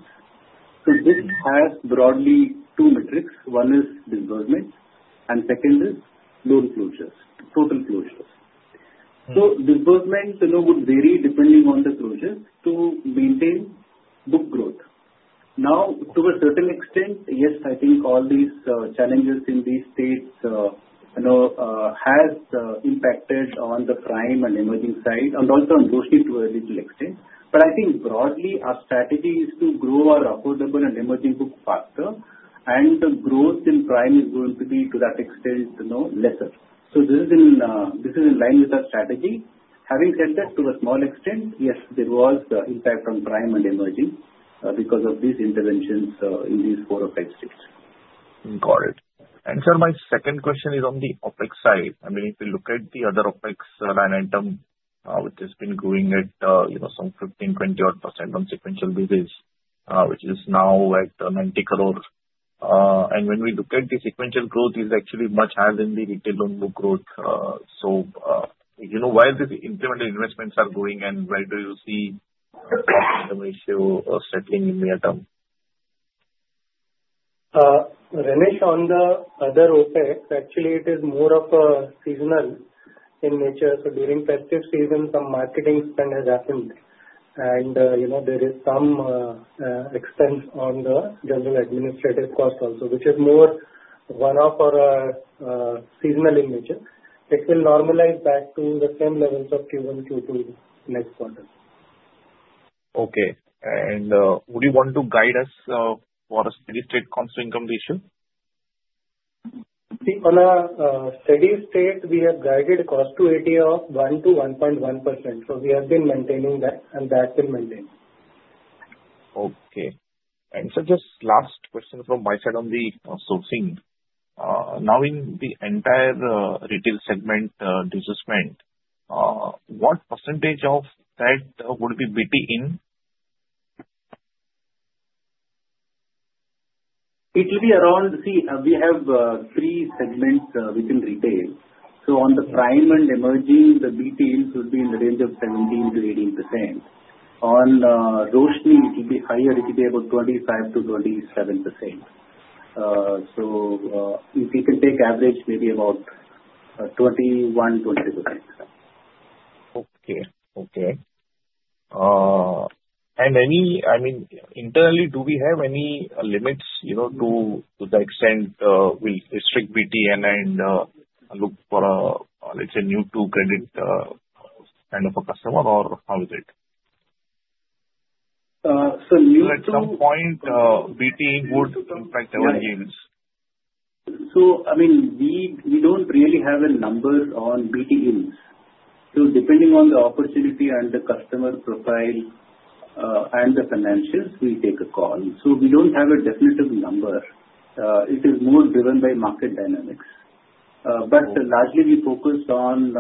So this has broadly two metrics. One is disbursement, and second is loan closures, total closures. So disbursement would vary depending on the closures to maintain book growth. Now, to a certain extent, yes, I think all these challenges in these states have impacted on the prime and emerging side, and also on Roshni to a little extent. But I think broadly, our strategy is to grow our affordable and emerging book faster, and the growth in prime is going to be to that extent lesser. So this is in line with our strategy. Having said that, to a small extent, yes, there was impact on prime and emerging because of these interventions in these four or five states. Got it. And sir, my second question is on the OpEx side. I mean, if you look at the other OpEx line item, which has been growing at some 15%-20%-odd % on sequential basis, which is now at 90 crores. And when we look at the sequential growth, it is actually much higher than the retail loan book growth. So where do the incremental investments are going, and where do you see the ratio settling in the item? Ramesh, on the other OpEx, actually, it is more of a seasonal in nature. So during festive season, some marketing spend has happened, and there is some expense on the general administrative cost also, which is more one of our seasonal in nature. It will normalize back to the same levels of Q1, Q2 next quarter. Okay. And would you want to guide us for a steady-state cost income ratio? See, on a steady state, we have guided cost to AUM 1-1.1%. So we have been maintaining that, and that's been maintained. Okay. And sir, just last question from my side on the sourcing. Now, in the entire retail segment disbursement, what percentage of that would be BT in? It will be around, see, we have three segments within retail. So on the prime and emerging, the BT mix would be in the range of 17%-18%. On Roshni, it will be higher. It will be about 25%-27%. So if you can take average, maybe about 21%-22%. Okay. I mean, internally, do we have any limits to the extent we restrict BT and look for, let's say, new-to-credit kind of a customer, or how is it? So new-to-credit? So at some point, BTing would impact our yields? I mean, we don't really have a number on BTs. Depending on the opportunity and the customer profile and the financials, we take a call. We don't have a definitive number. It is more driven by market dynamics. But largely, we focus on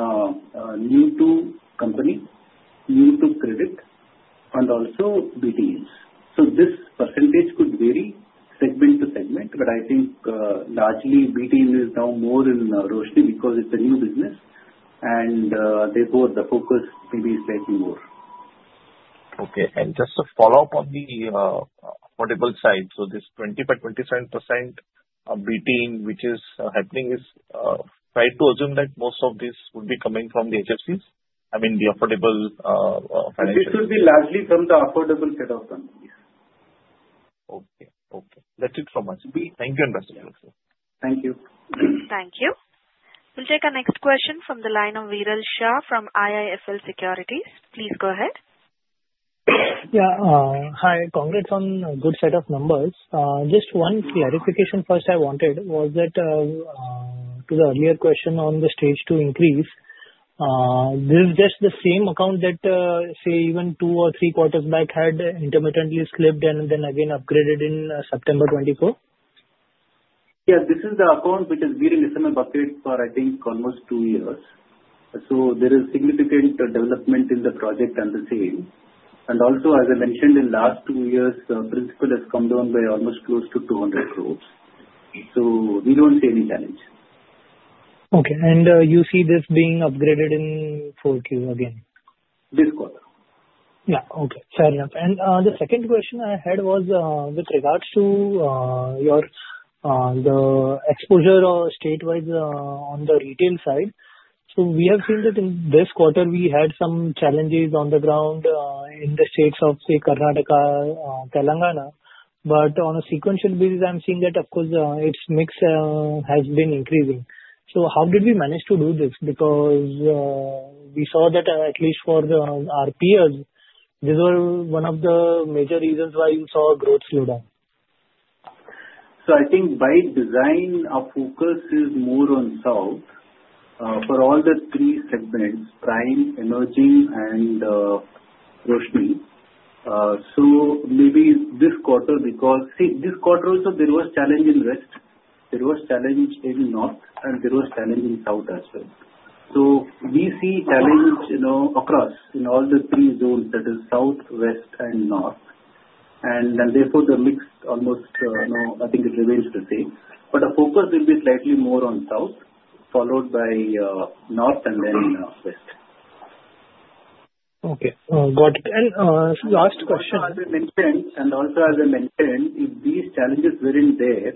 new-to-company, new-to-credit, and also BTs. This percentage could vary segment to segment, but I think largely BTs are now more in Roshni because it's a new business, and therefore, the focus may be slightly more. Okay, and just to follow up on the affordable side, so this 20%-27% BT intake, which is happening, is fair to assume that most of this would be coming from the HFCs? I mean, the affordable financials? This would be largely from the affordable set of companies. Okay. Okay. That's it from my side. Thank you, and best of luck, sir. Thank you. Thank you. We'll take our next question from the line of Viral Shah from IIFL Securities. Please go ahead. Yeah. Hi. Congrats on a good set of numbers. Just one clarification first I wanted was that to the earlier question on the Stage 2 increase, this is just the same account that, say, even two or three quarters back had intermittently slipped and then again upgraded in September 2024? Yeah. This is the account which has been in SMA bucket for, I think, almost two years. So there is significant development in the project and the sale. And also, as I mentioned, in the last two years, the principal has come down by almost close to 200 crores. So we don't see any challenge. Okay. And you see this being upgraded in Q4 again? This quarter. Yeah. Okay. Fair enough, and the second question I had was with regards to the exposure statewide on the retail side, so we have seen that in this quarter, we had some challenges on the ground in the states of, say, Karnataka, Telangana, but on a sequential basis, I'm seeing that, of course, its mix has been increasing, so how did we manage to do this? Because we saw that, at least for our peers, these were one of the major reasons why you saw growth slow down. So I think by design, our focus is more on south for all the three segments: prime, emerging, and Roshni. So maybe this quarter, because, see, this quarter also, there was challenge in west. There was challenge in north, and there was challenge in south as well. So we see challenge across in all the three zones, that is south, west, and north. And therefore, the mix almost, I think, it remains the same. But the focus will be slightly more on south, followed by north and then west. Okay. Got it. And last question. As I mentioned, and also as I mentioned, if these challenges weren't there,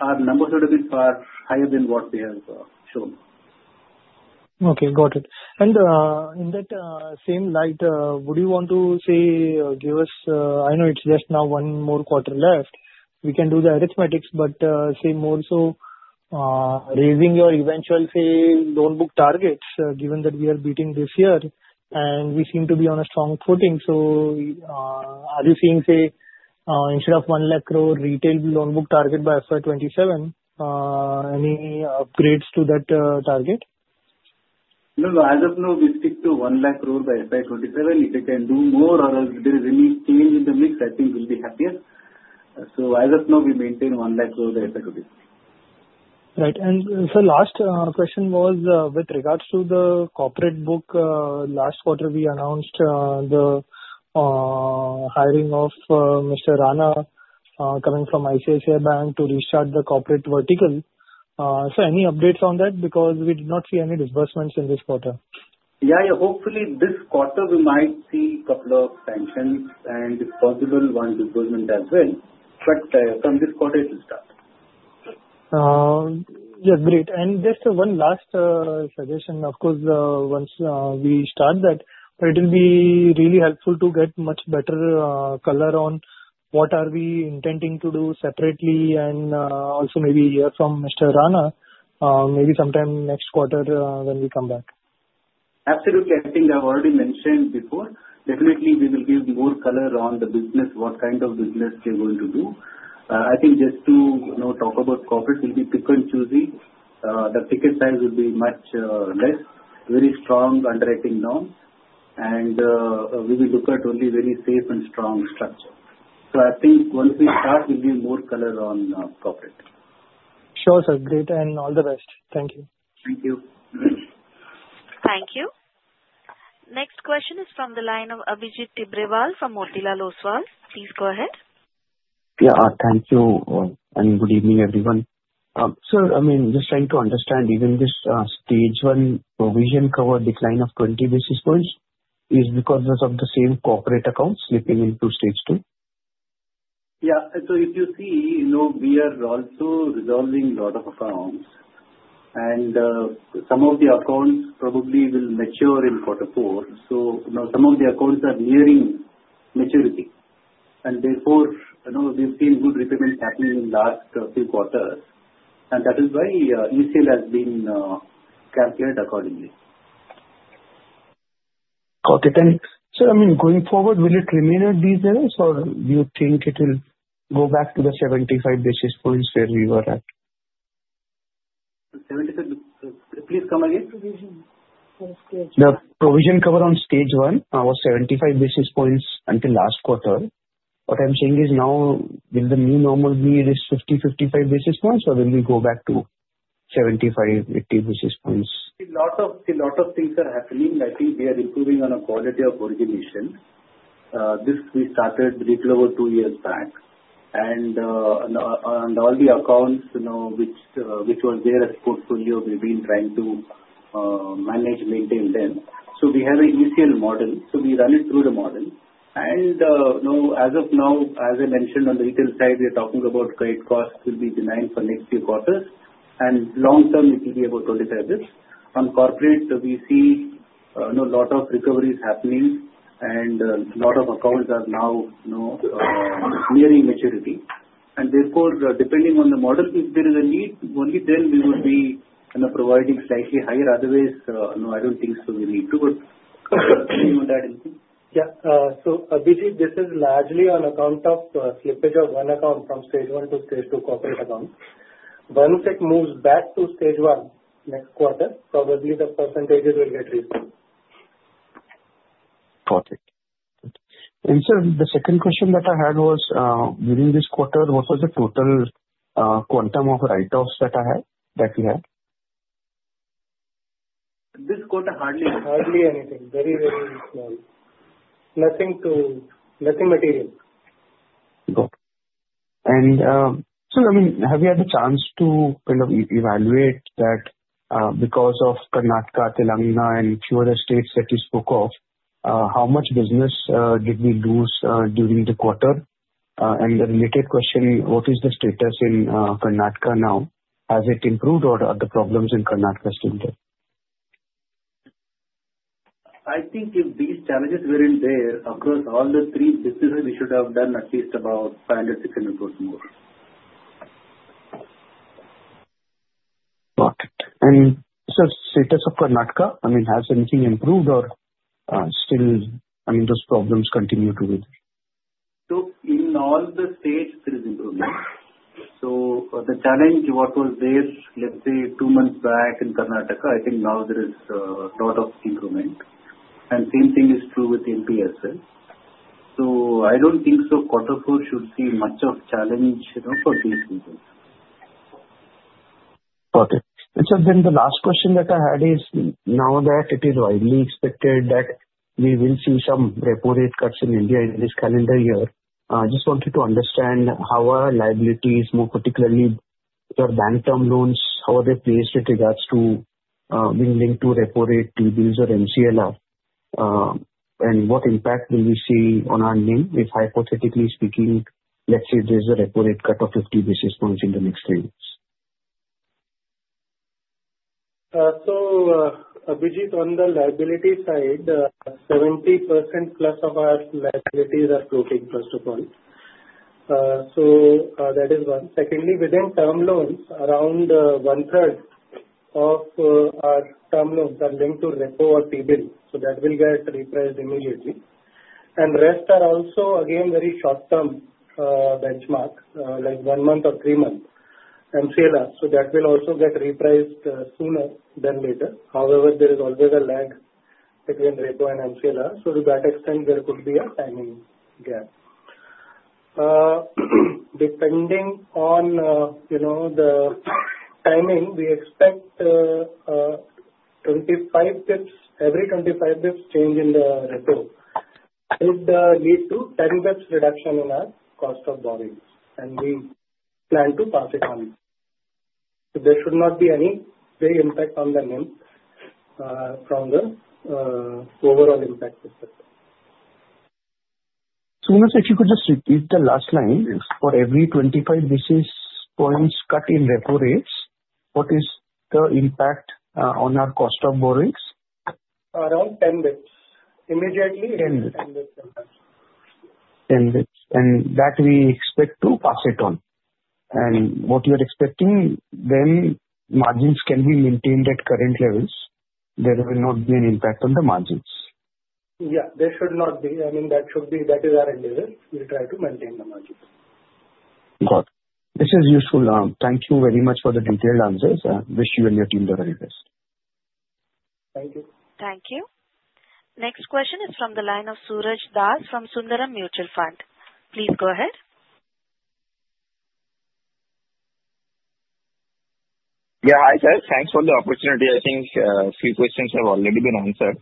our numbers would have been far higher than what they have shown. Okay. Got it. And in that same light, would you want to say, give us, I know it's just now one more quarter left, we can do the arithmetics, but say more so raising your eventual, say, loan book targets, given that we are beating this year, and we seem to be on a strong footing. So are you seeing, say, instead of 1 lakh crore, retail loan book target by FY27, any upgrades to that target? No, no. As of now, we stick to 1 lakh crore by FY27. If we can do more or there is any change in the mix, I think we'll be happier. So as of now, we maintain 1 lakh crore by FY27. Right. And sir, last question was with regards to the corporate book. Last quarter, we announced the hiring of Mr. Rana coming from ICICI Bank to restart the corporate vertical. So, any updates on that? Because we did not see any disbursements in this quarter. Yeah. Yeah. Hopefully, this quarter, we might see a couple of pensions and, if possible, one disbursement as well. But from this quarter, it will start. Yeah. Great, and just one last suggestion. Of course, once we start that, it will be really helpful to get much better color on what are we intending to do separately, and also maybe hear from Mr. Rana maybe sometime next quarter when we come back. Absolutely. I think I've already mentioned before. Definitely, we will give more color on the business, what kind of business we're going to do. I think just to talk about corporate, we'll be picky and choosy. The ticket size will be much less, very strong underwriting norms. And we will look at only very safe and strong structure. So I think once we start, we'll give more color on corporate. Sure, sir. Great. And all the best. Thank you. Thank you. Thank you. Next question is from the line of Abhijit Tibrewal from Motilal Oswal. Please go ahead. Yeah. Thank you and good evening, everyone. Sir, I mean, just trying to understand, even this Stage 1 provision coverage decline of 20 basis points is because of the same corporate accounts slipping into stage two? Yeah. So if you see, we are also resolving a lot of accounts. And some of the accounts probably will mature in quarter four. So some of the accounts are nearing maturity. And therefore, we've seen good repayments happening in the last few quarters. And that is why ECL has been calculated accordingly. Got it. And sir, I mean, going forward, will it remain at these levels, or do you think it will go back to the 75 basis points where we were at? Please come again. The provision cover on stage one was 75 basis points until last quarter. What I'm saying is now, will the new normal be 50, 55 basis points, or will we go back to 75, 80 basis points? See, a lot of things are happening. I think we are improving on the quality of origination. This we started a little over two years back. All the accounts which were there in portfolio, we've been trying to manage, maintain them. So we have an ECL model. So we run it through the model. And as of now, as I mentioned, on the retail side, we are talking about credit costs will be contained for next few quarters. And long term, it will be about 25 basis points. On corporate, we see a lot of recoveries happening, and a lot of accounts are now nearing maturity. And therefore, depending on the model, if there is a need, only then we would be provisioning slightly higher. Otherwise, no, I don't think so we need to. But anyone got anything? Yeah. So, Abhijit, this is largely on account of slippage of one account from stage one to stage two corporate accounts. Once it moves back to stage one next quarter, probably the percentages will get raised. Got it. And sir, the second question that I had was, during this quarter, what was the total quantum of write-offs that we had? This quarter, hardly anything. Hardly anything. Very, very small. Nothing material. Got it. And sir, I mean, have you had the chance to kind of evaluate that because of Karnataka, Telangana, and a few other states that you spoke of, how much business did we lose during the quarter? And the related question, what is the status in Karnataka now? Has it improved, or are the problems in Karnataka still there? I think if these challenges weren't there, across all the three businesses, we should have done at least about 500-600 crores more. Got it. And sir, status of Karnataka, I mean, has anything improved or still, I mean, those problems continue to be there? So in all the states, there is improvement. So the challenge what was there, let's say, two months back in Karnataka, I think now there is a lot of improvement. And same thing is true with NHL. So I don't think so quarter four should see much of challenge for these reasons. Got it. And sir, then the last question that I had is, now that it is widely expected that we will see some repo rate cuts in India in this calendar year, I just wanted to understand how are liabilities, more particularly your bank term loans, how are they placed with regards to being linked to repo rate, T-Bills, or MCLR, and what impact will we see on our NIM if, hypothetically speaking, let's say there's a repo rate cut of 50 basis points in the next three weeks? So, Abhijit, on the liability side, 70% plus of our liabilities are floating, first of all. So that is one. Secondly, within term loans, around one-third of our term loans are linked to repo or T-Bills. So that will get repriced immediately. And rest are also, again, very short-term benchmark, like one month or three months, MCLR. So that will also get repriced sooner than later. However, there is always a lag between repo and MCLR. So to that extent, there could be a timing gap. Depending on the timing, we expect every 25 basis points change in the repo. It will lead to 10 basis points reduction in our cost of borrowing. And we plan to pass it on. There should not be any impact on the NIM from the overall impact perspective. Soon, if you could just repeat the last line, for every 25 basis points cut in repo rates, what is the impact on our cost of borrowings? Around 10 basis points. Immediately, it's 10 basis points. 10 basis points. And that we expect to pass it on. And what you are expecting, then margins can be maintained at current levels. There will not be an impact on the margins. Yeah. There should not be. I mean, that is our endeavor. We try to maintain the margins. Got it. This is useful. Thank you very much for the detailed answers. I wish you and your team the very best. Thank you. Thank you. Next question is from the line of Suraj Das from Sundaram Mutual Fund. Please go ahead. Yeah. Hi, sir. Thanks for the opportunity. I think a few questions have already been answered.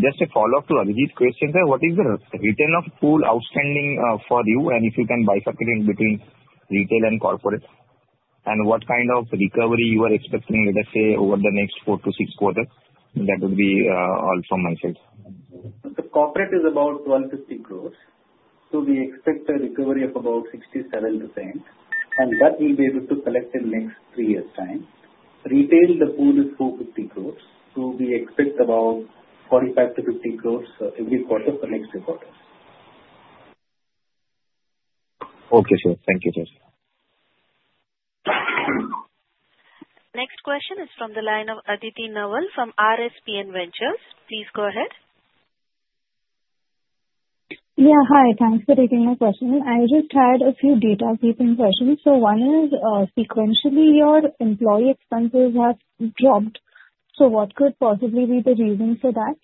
Just a follow-up to Abhijit's question there. What is the return of pool outstanding for you? And if you can bifurcate in between retail and corporate? And what kind of recovery you are expecting, let us say, over the next four-to-six quarters? That would be all from my side. The corporate is about 1,250 crores. So we expect a recovery of about 67%. And that we'll be able to collect in the next three years' time. Retail, the pool is 450 crores. So we expect about 45-50 crores every quarter for next three quarters. Okay, sir. Thank you, sir. Next question is from the line of Aditi Naval from RSPN Ventures. Please go ahead. Yeah. Hi. Thanks for taking my question. I just had a few housekeeping questions. So one is, sequentially, your employee expenses have dropped. So what could possibly be the reason for that?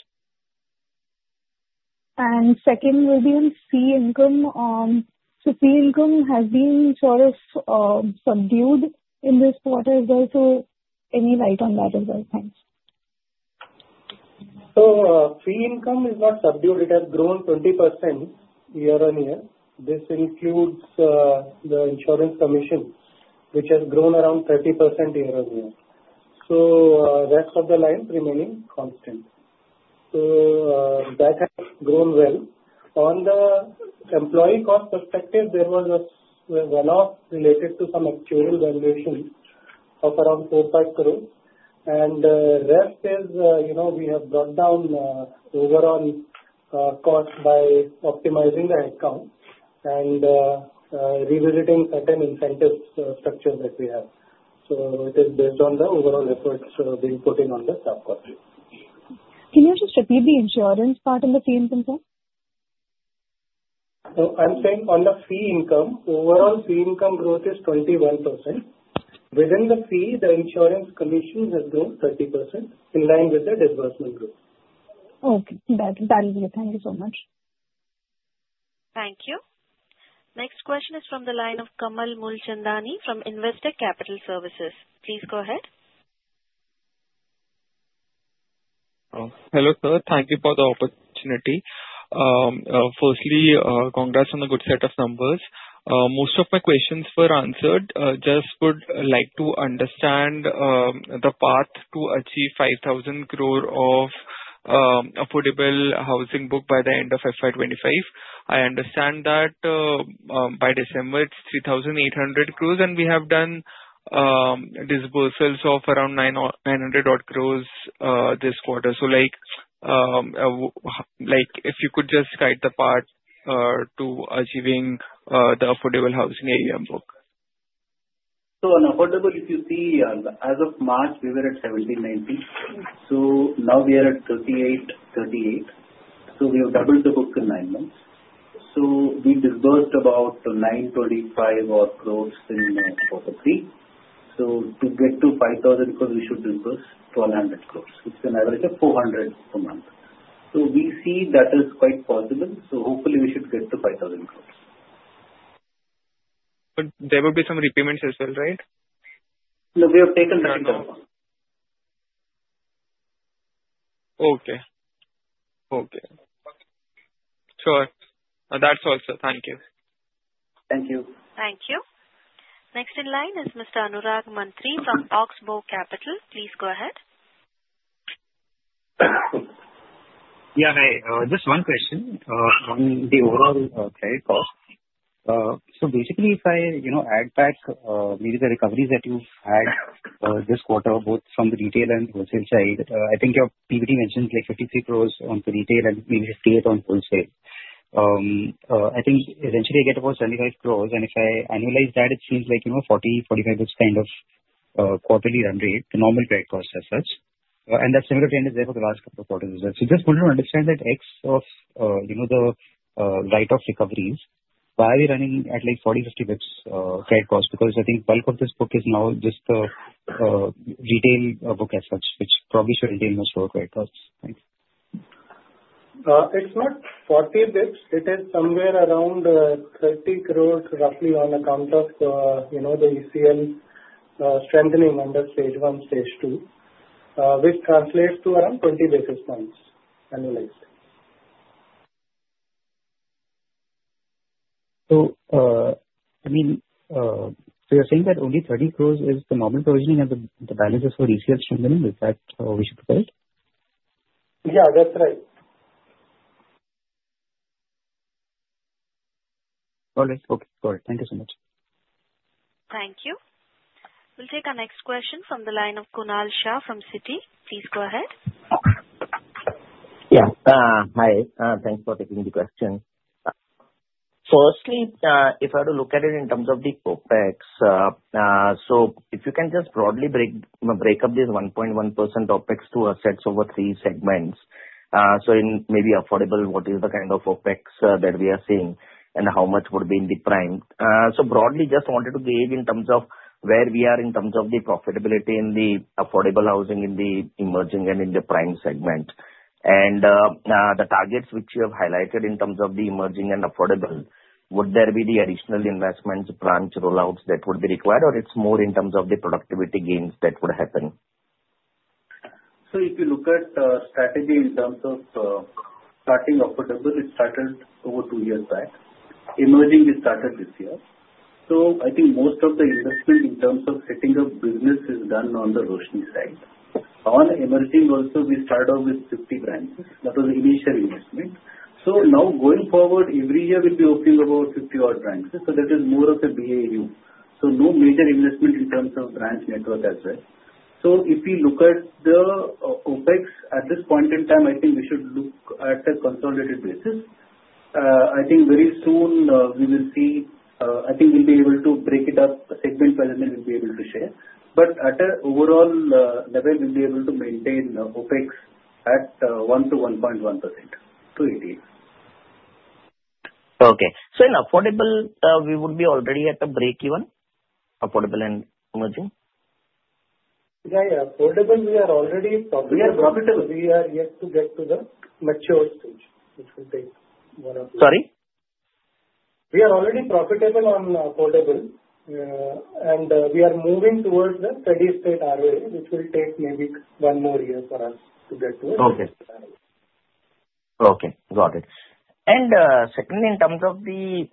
And second will be on fee income. So fee income has been sort of subdued in this quarter as well. So any light on that as well? Thanks. Fee income is not subdued. It has grown 20% year-on-year. This includes the insurance commission, which has grown around 30% year on year. Rest of the line remaining constant. That has grown well. On the employee cost perspective, there was a run-off related to some actuarial valuation of around 4-5 crores. The rest is we have brought down overall cost by optimizing the headcount and revisiting certain incentive structures that we have. It is based on the overall efforts being put in on this quarter. Can you just repeat the insurance part of the fee income, sir? So I'm saying on the fee income, overall fee income growth is 21%. Within the fee, the insurance commission has grown 30% in line with the disbursement growth. Okay. That'll be it. Thank you so much. Thank you. Next question is from the line of Kamal Mulchandani from Investor Capital Services. Please go ahead. Hello, sir. Thank you for the opportunity. Firstly, congrats on the good set of numbers. Most of my questions were answered. Just would like to understand the path to achieve 5,000 crore of affordable housing book by the end of FY25. I understand that by December, it's 3,800 crores, and we have done disbursals of around 900 crores this quarter. So if you could just guide the path to achieving the affordable housing AUM book. On affordable, if you see, as of March, we were at 1,790 crore. Now we are at 3,838 crore. We have doubled the book in nine months. We disbursed about 925 crore or so in quarter three. To get to 5,000 crore, we should disburse 1,200 crore, which is an average of 400 crore per month. We see that is quite possible. Hopefully, we should get to 5,000 crore. But there will be some repayments as well, right? No, we have taken that into account. Okay. Okay. Sure. That's all, sir. Thank you. Thank you. Thank you. Next in line is Mr. Anurag Mantri from Oxbow Capital. Please go ahead. Yeah. Hi. Just one question on the overall credit cost. So basically, if I add back maybe the recoveries that you've had this quarter, both from the retail and wholesale side, I think your PPT mentioned 53 crores on the retail and maybe 58 on wholesale. I think eventually, I get about 75 crores. And if I annualize that, it seems like 40-45 basis points kind of quarterly run rate, the normal credit cost as such. And that similar trend is there for the last couple of quarters as well. So just wanted to understand that net of the write-off recoveries, why are we running at 40-50 basis points credit cost? Because I think bulk of this book is now just the retail book as such, which probably should incur much lower credit costs. Thanks. It's not 40 basis points. It is somewhere around 30 crores, roughly, on account of the ECL strengthening under stage one, stage two, which translates to around 20 basis points annualized. So, I mean, so you're saying that only 30 crores is the normal provisioning, and the balance is for ECL strengthening? Is that how we should look at it? Yeah, that's right. All right. Okay. Got it. Thank you so much. Thank you. We'll take a next question from the line of Kunal Shah from Citi. Please go ahead. Yeah. Hi. Thanks for taking the question. Firstly, if I were to look at it in terms of the OpEx, so if you can just broadly break up this 1.1% OpEx to assets over three segments. So in maybe affordable, what is the kind of OpEx that we are seeing, and how much would be in the prime? So broadly, just wanted to gauge in terms of where we are in terms of the profitability in the affordable housing in the emerging and in the prime segment. And the targets which you have highlighted in terms of the emerging and affordable, would there be the additional investments, branch rollouts that would be required, or it's more in terms of the productivity gains that would happen? So if you look at strategy in terms of starting affordable, it started over two years back. Emerging, we started this year. So I think most of the investment in terms of setting up business is done on the Roshni side. On emerging also, we started with 50 branches. That was the initial investment. So now going forward, every year we'll be opening about 50-odd branches. So that is more of a BAU. So no major investment in terms of branch network as well. So if you look at the OpEx at this point in time, I think we should look at a consolidated basis. I think very soon, we will see I think we'll be able to break it up segment-wise, and then we'll be able to share. But at an overall level, we'll be able to maintain OpEx at 1%-1.1% of AUM. Okay. So in affordable, we would be already at a break-even? Affordable and emerging? Yeah. Affordable, we are already profitable. We are yet to get to the mature stage, which will take one or two. Sorry? We are already profitable on affordable, and we are moving towards the steady-state ROA, which will take maybe one more year for us to get to a steady-state ROA. Okay. Okay. Got it. And secondly, in terms of the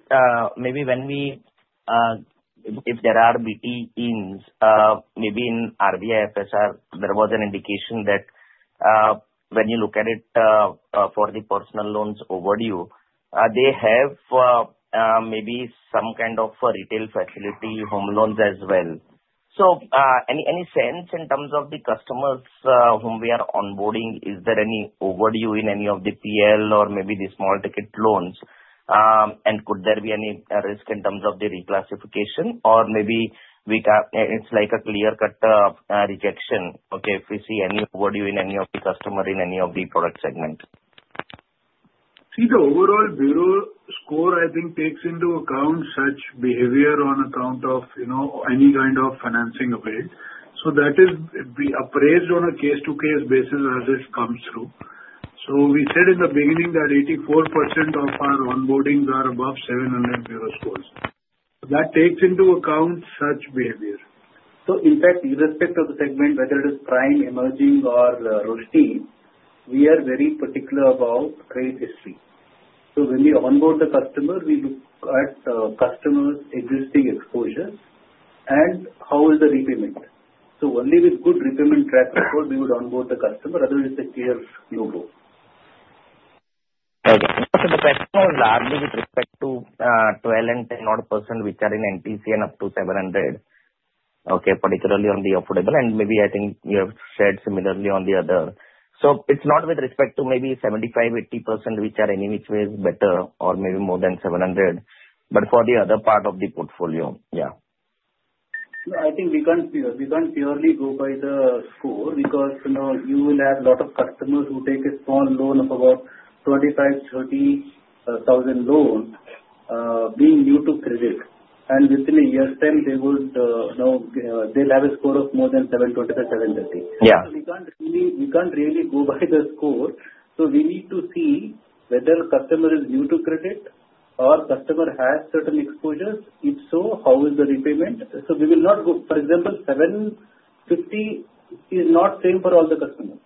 maybe when we if there are BTs, maybe in RBI FSR, there was an indication that when you look at it for the personal loans overdue, they have maybe some kind of retail facility, home loans as well. So any sense in terms of the customers whom we are onboarding, is there any overdue in any of the PL or maybe the small-ticket loans? And could there be any risk in terms of the reclassification? Or maybe it's like a clear-cut rejection, okay, if we see any overdue in any of the customers in any of the product segment? See, the overall Bureau score, I think, takes into account such behavior on account of any kind of financing available. So that is appraised on a case-by-case basis as it comes through. So we said in the beginning that 84% of our onboardings are above 700 Bureau scores. That takes into account such behavior. So in fact, irrespective of the segment, whether it is prime, emerging, or Roshni, we are very particular about credit history. So when we onboard the customer, we look at the customer's existing exposure and how is the repayment. So only with good repayment track record, we would onboard the customer. Otherwise, it's a clear no-go. Okay. So the question was largely with respect to 12% and 10-odd%, which are in NTC and up to 700, okay, particularly on the affordable. And maybe I think you have shared similarly on the other. So it's not with respect to maybe 75%, 80%, which are any which way is better or maybe more than 700, but for the other part of the portfolio. Yeah. I think we can't purely go by the score because you will have a lot of customers who take a small loan of about 25-30 thousand, being new to credit. And within a year's time, they will now they'll have a score of more than 720-730. So we can't really go by the score. So we need to see whether the customer is new to credit or the customer has certain exposures. If so, how is the repayment? So we will not go, for example, 750 is not the same for all the customers.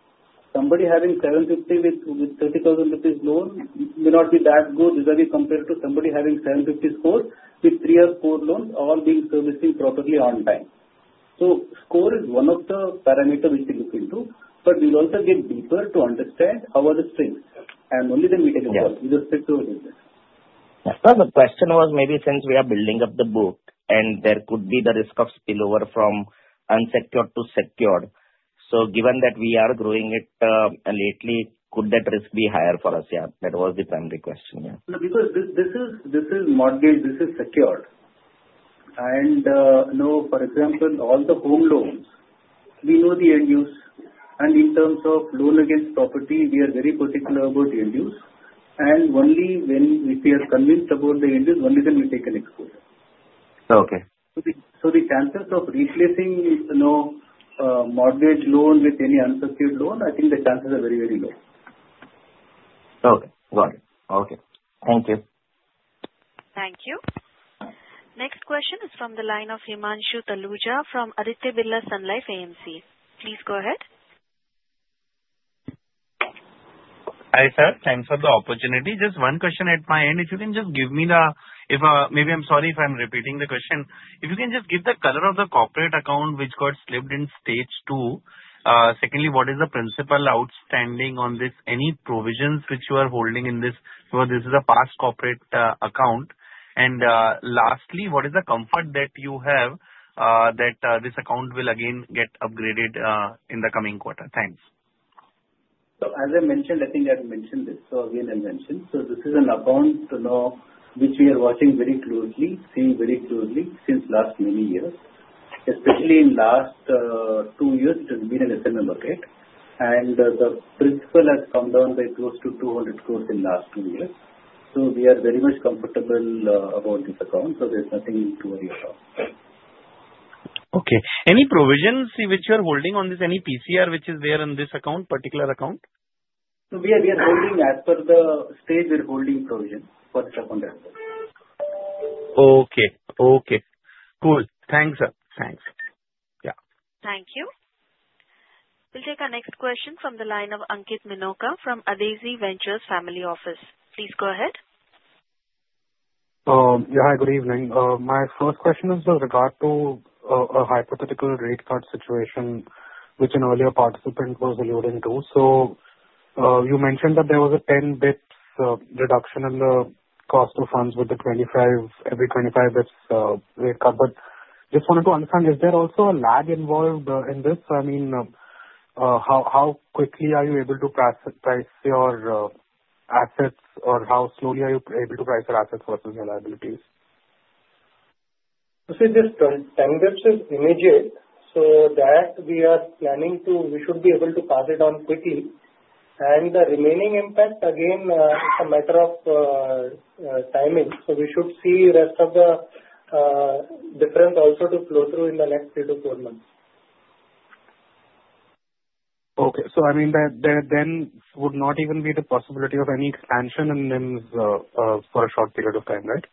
Somebody having 750 with 30,000 loans may not be that good, especially compared to somebody having 750 scores with three or four loans all being serviced properly on time. So score is one of the parameters which we look into. But we will also dig deeper to understand how are the strengths. Only then we take a call with respect to what is this. As per the question was, maybe since we are building up the book, and there could be the risk of spillover from unsecured to secured. So given that we are growing it lately, could that risk be higher for us? Yeah. That was the primary question. Yeah. No, because this is mortgage. This is secured. And for example, all the home loans, we know the end use. And in terms of Loan Against Property, we are very particular about the end use. And only when we are convinced about the end use, only then we take an exposure. So the chances of replacing mortgage loan with any unsecured loan, I think the chances are very, very low. Okay. Got it. Okay. Thank you. Thank you. Next question is from the line of Himanshu Taluja from Aditya Birla Sun Life AMC. Please go ahead. Hi, sir. Thanks for the opportunity. Just one question at my end. If you can just give me the, maybe I'm sorry if I'm repeating the question. If you can just give the color of the corporate account which got slipped in stage two. Secondly, what is the principal outstanding on this? Any provisions which you are holding in this? This is a past corporate account. And lastly, what is the comfort that you have that this account will again get upgraded in the coming quarter? Thanks. As I mentioned, I think I've mentioned this. So again, I've mentioned. This is an account which we are watching very closely, seeing very closely since last many years. Especially in last two years, it has been an SMA update. And the principal has come down by close to 200 crore in the last two years. So we are very much comfortable about this account. So there's nothing to worry about. Okay. Any provisions which you're holding on this? Any PCR which is there in this account, particular account? So we are holding as per the stage we're holding provision for this account as well. Okay. Cool. Thanks, sir. Thanks. Yeah. Thank you. We'll take our next question from the line of Ankit Minocha from Adezi Ventures Family Office. Please go ahead. Yeah. Hi. Good evening. My first question is with regard to a hypothetical rate cut situation which an earlier participant was alluding to. So you mentioned that there was a 10 basis points reduction in the cost of funds with the 25 basis points rate cut. But just wanted to understand, is there also a lag involved in this? I mean, how quickly are you able to price your assets, or how slowly are you able to price your assets versus your liabilities? In this 10 basis points is immediate. We should be able to pass it on quickly. The remaining impact, again, it's a matter of timing. We should see the rest of the difference also to flow through in the next three to four months. Okay. So I mean, then would not even be the possibility of any expansion in NIMs for a short period of time, right?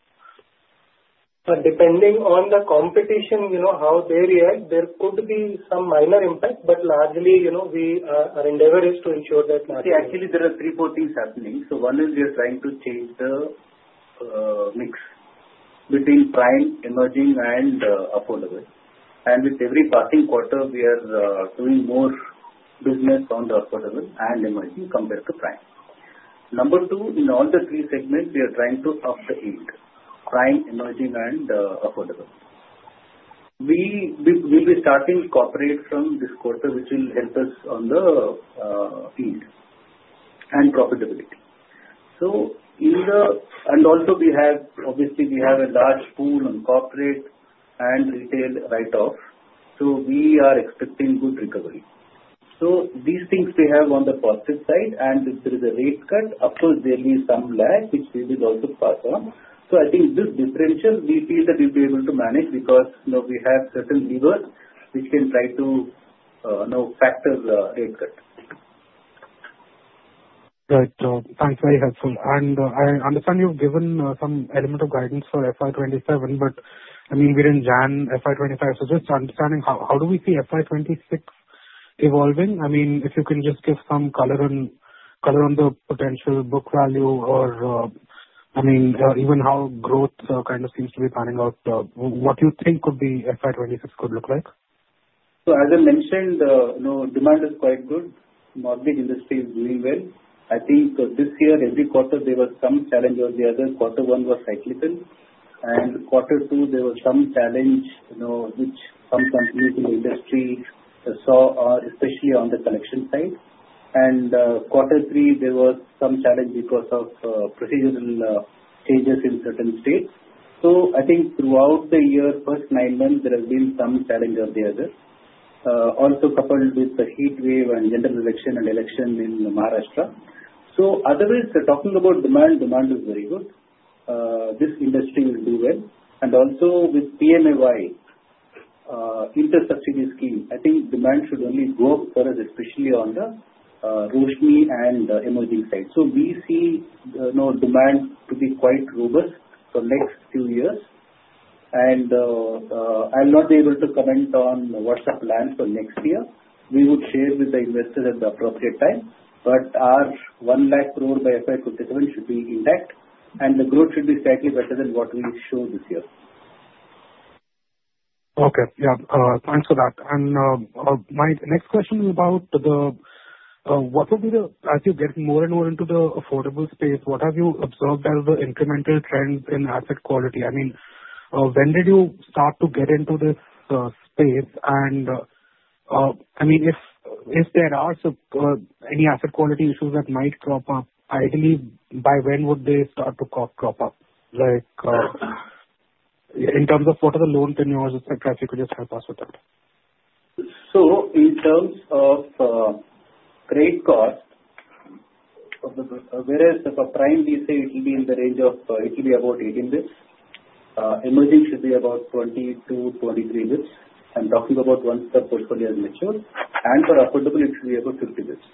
But depending on the competition, how they react, there could be some minor impact. But largely, our endeavor is to ensure that not. See, actually, there are three, four things happening. So one is we are trying to change the mix between prime, emerging, and affordable. And with every passing quarter, we are doing more business on the affordable and emerging compared to prime. Number two, in all the three segments, we are trying to up the yield, prime, emerging, and affordable. We will be starting corporate from this quarter, which will help us on the yield and profitability. And also, obviously, we have a large pool on corporate and retail write-off. So we are expecting good recovery. So these things we have on the positive side. And if there is a rate cut, of course, there will be some lag, which we will also pass on. So I think this differential, we feel that we'll be able to manage because we have certain levers which can try to factor the rate cut. Right. Thanks. Very helpful, and I understand you've given some element of guidance for FY27, but I mean, we didn't jam FY25. So just understanding, how do we see FY26 evolving? I mean, if you can just give some color on the potential book value or, I mean, even how growth kind of seems to be panning out, what you think FY26 could look like? So as I mentioned, demand is quite good. Mortgage industry is doing well. I think this year, every quarter, there were some challenges. The other quarter one was cyclical. And quarter two, there were some challenge which some companies in the industry saw, especially on the collection side. And quarter three, there was some challenge because of procedural changes in certain states. So I think throughout the year, first nine months, there have been some challenges on the others, also coupled with the heat wave and general election in Maharashtra. So otherwise, talking about demand, demand is very good. This industry will do well. And also with PMAY interest subsidy scheme, I think demand should only grow for us, especially on the Roshni and emerging side. So we see demand to be quite robust for the next few years. And I'll not be able to comment on what's the plan for next year. We would share with the investors at the appropriate time. But our 1 lakh crore by FY27 should be intact. And the growth should be slightly better than what we showed this year. Okay. Yeah. Thanks for that. And my next question is about what will be the as you're getting more and more into the affordable space, what have you observed as the incremental trends in asset quality? I mean, when did you start to get into this space? And I mean, if there are any asset quality issues that might crop up, ideally, by when would they start to crop up? In terms of what are the loans in yours, etc., if you could just help us with that. So in terms of trade cost, whereas for prime, we say it will be in the range of it will be about 18 basis points. Emerging should be about 22-23 basis points. I'm talking about once the portfolio is mature. And for affordable, it should be about 50 basis points.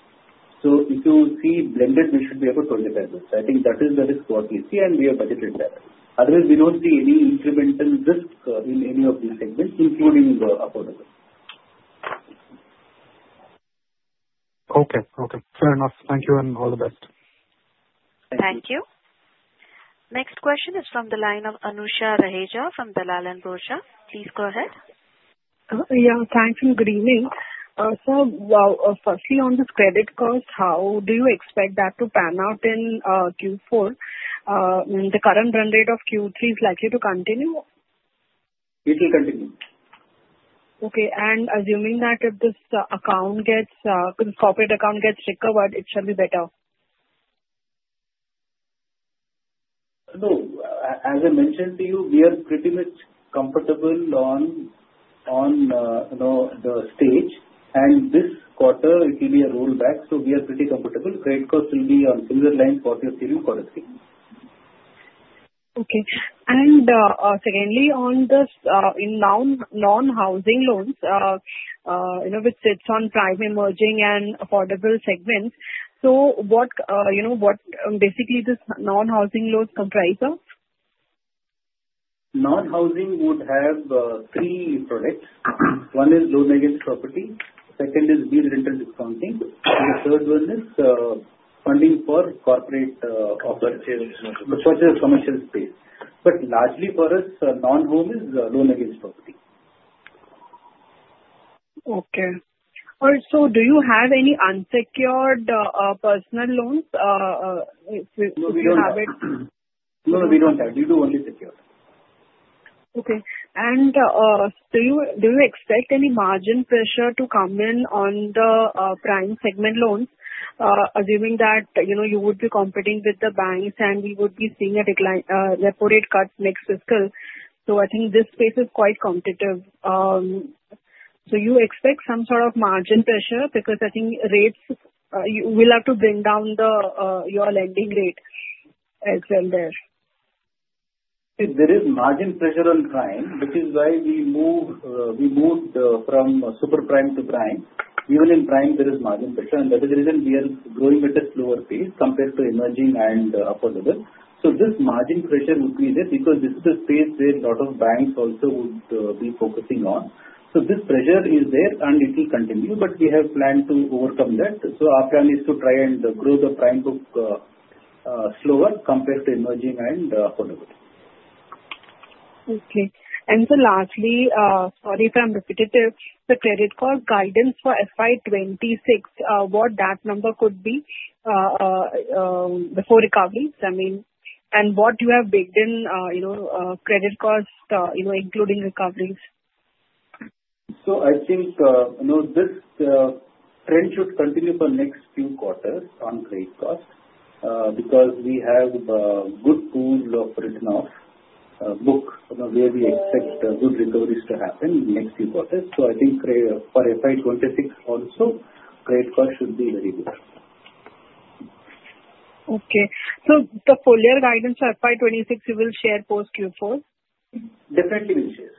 So if you see blended, we should be about 25 basis points. I think that is the risk what we see, and we have budgeted that. Otherwise, we don't see any incremental risk in any of these segments, including the affordable. Okay. Okay. Fair enough. Thank you, and all the best. Thank you. Next question is from the line of Anusha Raheja from Dalal & Broacha. Please go ahead. Yeah. Thank you. Good evening. Sir, firstly, on this credit cost, how do you expect that to pan out in Q4? The current run rate of Q3 is likely to continue. It will continue. Okay. And assuming that if this corporate account gets recovered, it should be better. No. As I mentioned to you, we are pretty much comfortable on the stage. And this quarter, it will be a rollback. So we are pretty comfortable. Credit cost will be on similar lines quarter two and quarter three. Okay. And secondly, in non-housing loans, which sits on prime, emerging, and affordable segments, so what basically does non-housing loans comprise of? Non-housing would have three products. One is Loan Against Property. Second is Lease Rental Discounting. And the third one is funding for corporate commercial space. But largely for us, non-housing is Loan Against Property. Okay. All right. So do you have any unsecured personal loans? If you have it. No, we don't have. We do only secure. Okay. And do you expect any margin pressure to come in on the prime segment loans, assuming that you would be competing with the banks and we would be seeing a reported cut next fiscal? So I think this space is quite competitive. So you expect some sort of margin pressure because I think rates will have to bring down your lending rate as well there. There is margin pressure on prime, which is why we moved from super prime to prime. Even in prime, there is margin pressure, and that is the reason we are growing at a slower pace compared to emerging and affordable. This margin pressure would be there because this is a space where a lot of banks also would be focusing on. This pressure is there, and it will continue. We have planned to overcome that. Our plan is to try and grow the prime book slower compared to emerging and affordable. Okay. And so lastly, sorry if I'm repetitive, the credit cost guidance for FY26, what that number could be before recoveries? I mean, and what you have baked in credit costs, including recoveries? So I think this trend should continue for the next few quarters on credit cost because we have a good pool of written-off book where we expect good recoveries to happen in the next few quarters. So I think for FY26 also, credit cost should be very good. Okay, so the full year guidance for FY26, you will share post Q4? Definitely, we will share.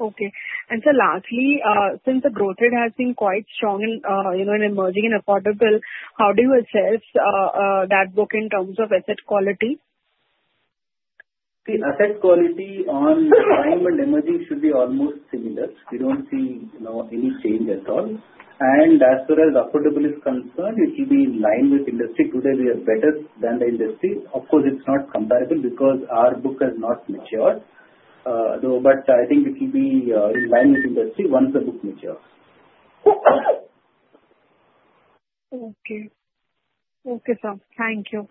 Okay. And so lastly, since the growth rate has been quite strong in emerging and affordable, how do you assess that book in terms of asset quality? The asset quality on prime and emerging should be almost similar. We don't see any change at all, and as far as affordable is concerned, it will be in line with industry. Today, we are better than the industry. Of course, it's not comparable because our book has not matured, but I think it will be in line with industry once the book matures. Okay. Okay, sir. Thank you.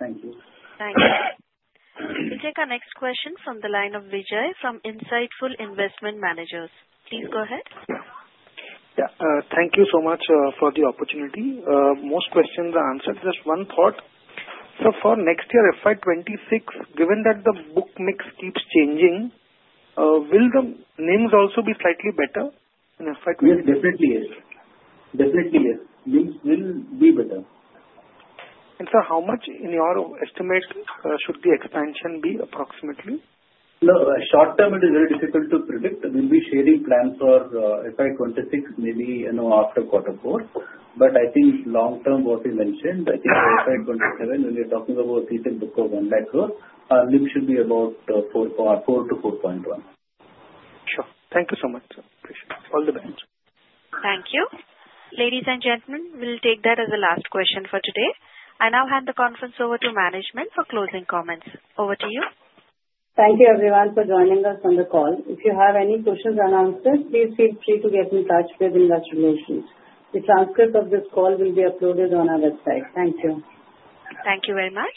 Thank you. Thank you. We'll take our next question from the line of Vijay from Insightful Investment Managers. Please go ahead. Yeah. Thank you so much for the opportunity. Most questions are answered. Just one thought. So for next year, FY26, given that the book mix keeps changing, will the NIMS also be slightly better in FY26? Yes, definitely yes. Definitely yes. NIMs will be better. Sir, how much in your estimates should the expansion be approximately? No, short term, it is very difficult to predict. We'll be sharing plans for FY26 maybe after quarter four, but I think long term, what we mentioned, I think FY27, when we're talking about retail book of 1 lakh crore, our NIM should be about 4-4.1. Sure. Thank you so much. Appreciate it. All the best. Thank you. Ladies and gentlemen, we'll take that as the last question for today. I now hand the conference over to management for closing comments. Over to you. Thank you, everyone, for joining us on the call. If you have any questions or answers, please feel free to get in touch with Investor Relations. The transcript of this call will be uploaded on our website. Thank you. Thank you very much.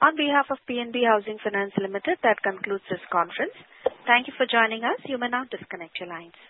On behalf of PNB Housing Finance Limited, that concludes this conference. Thank you for joining us. You may now disconnect your lines.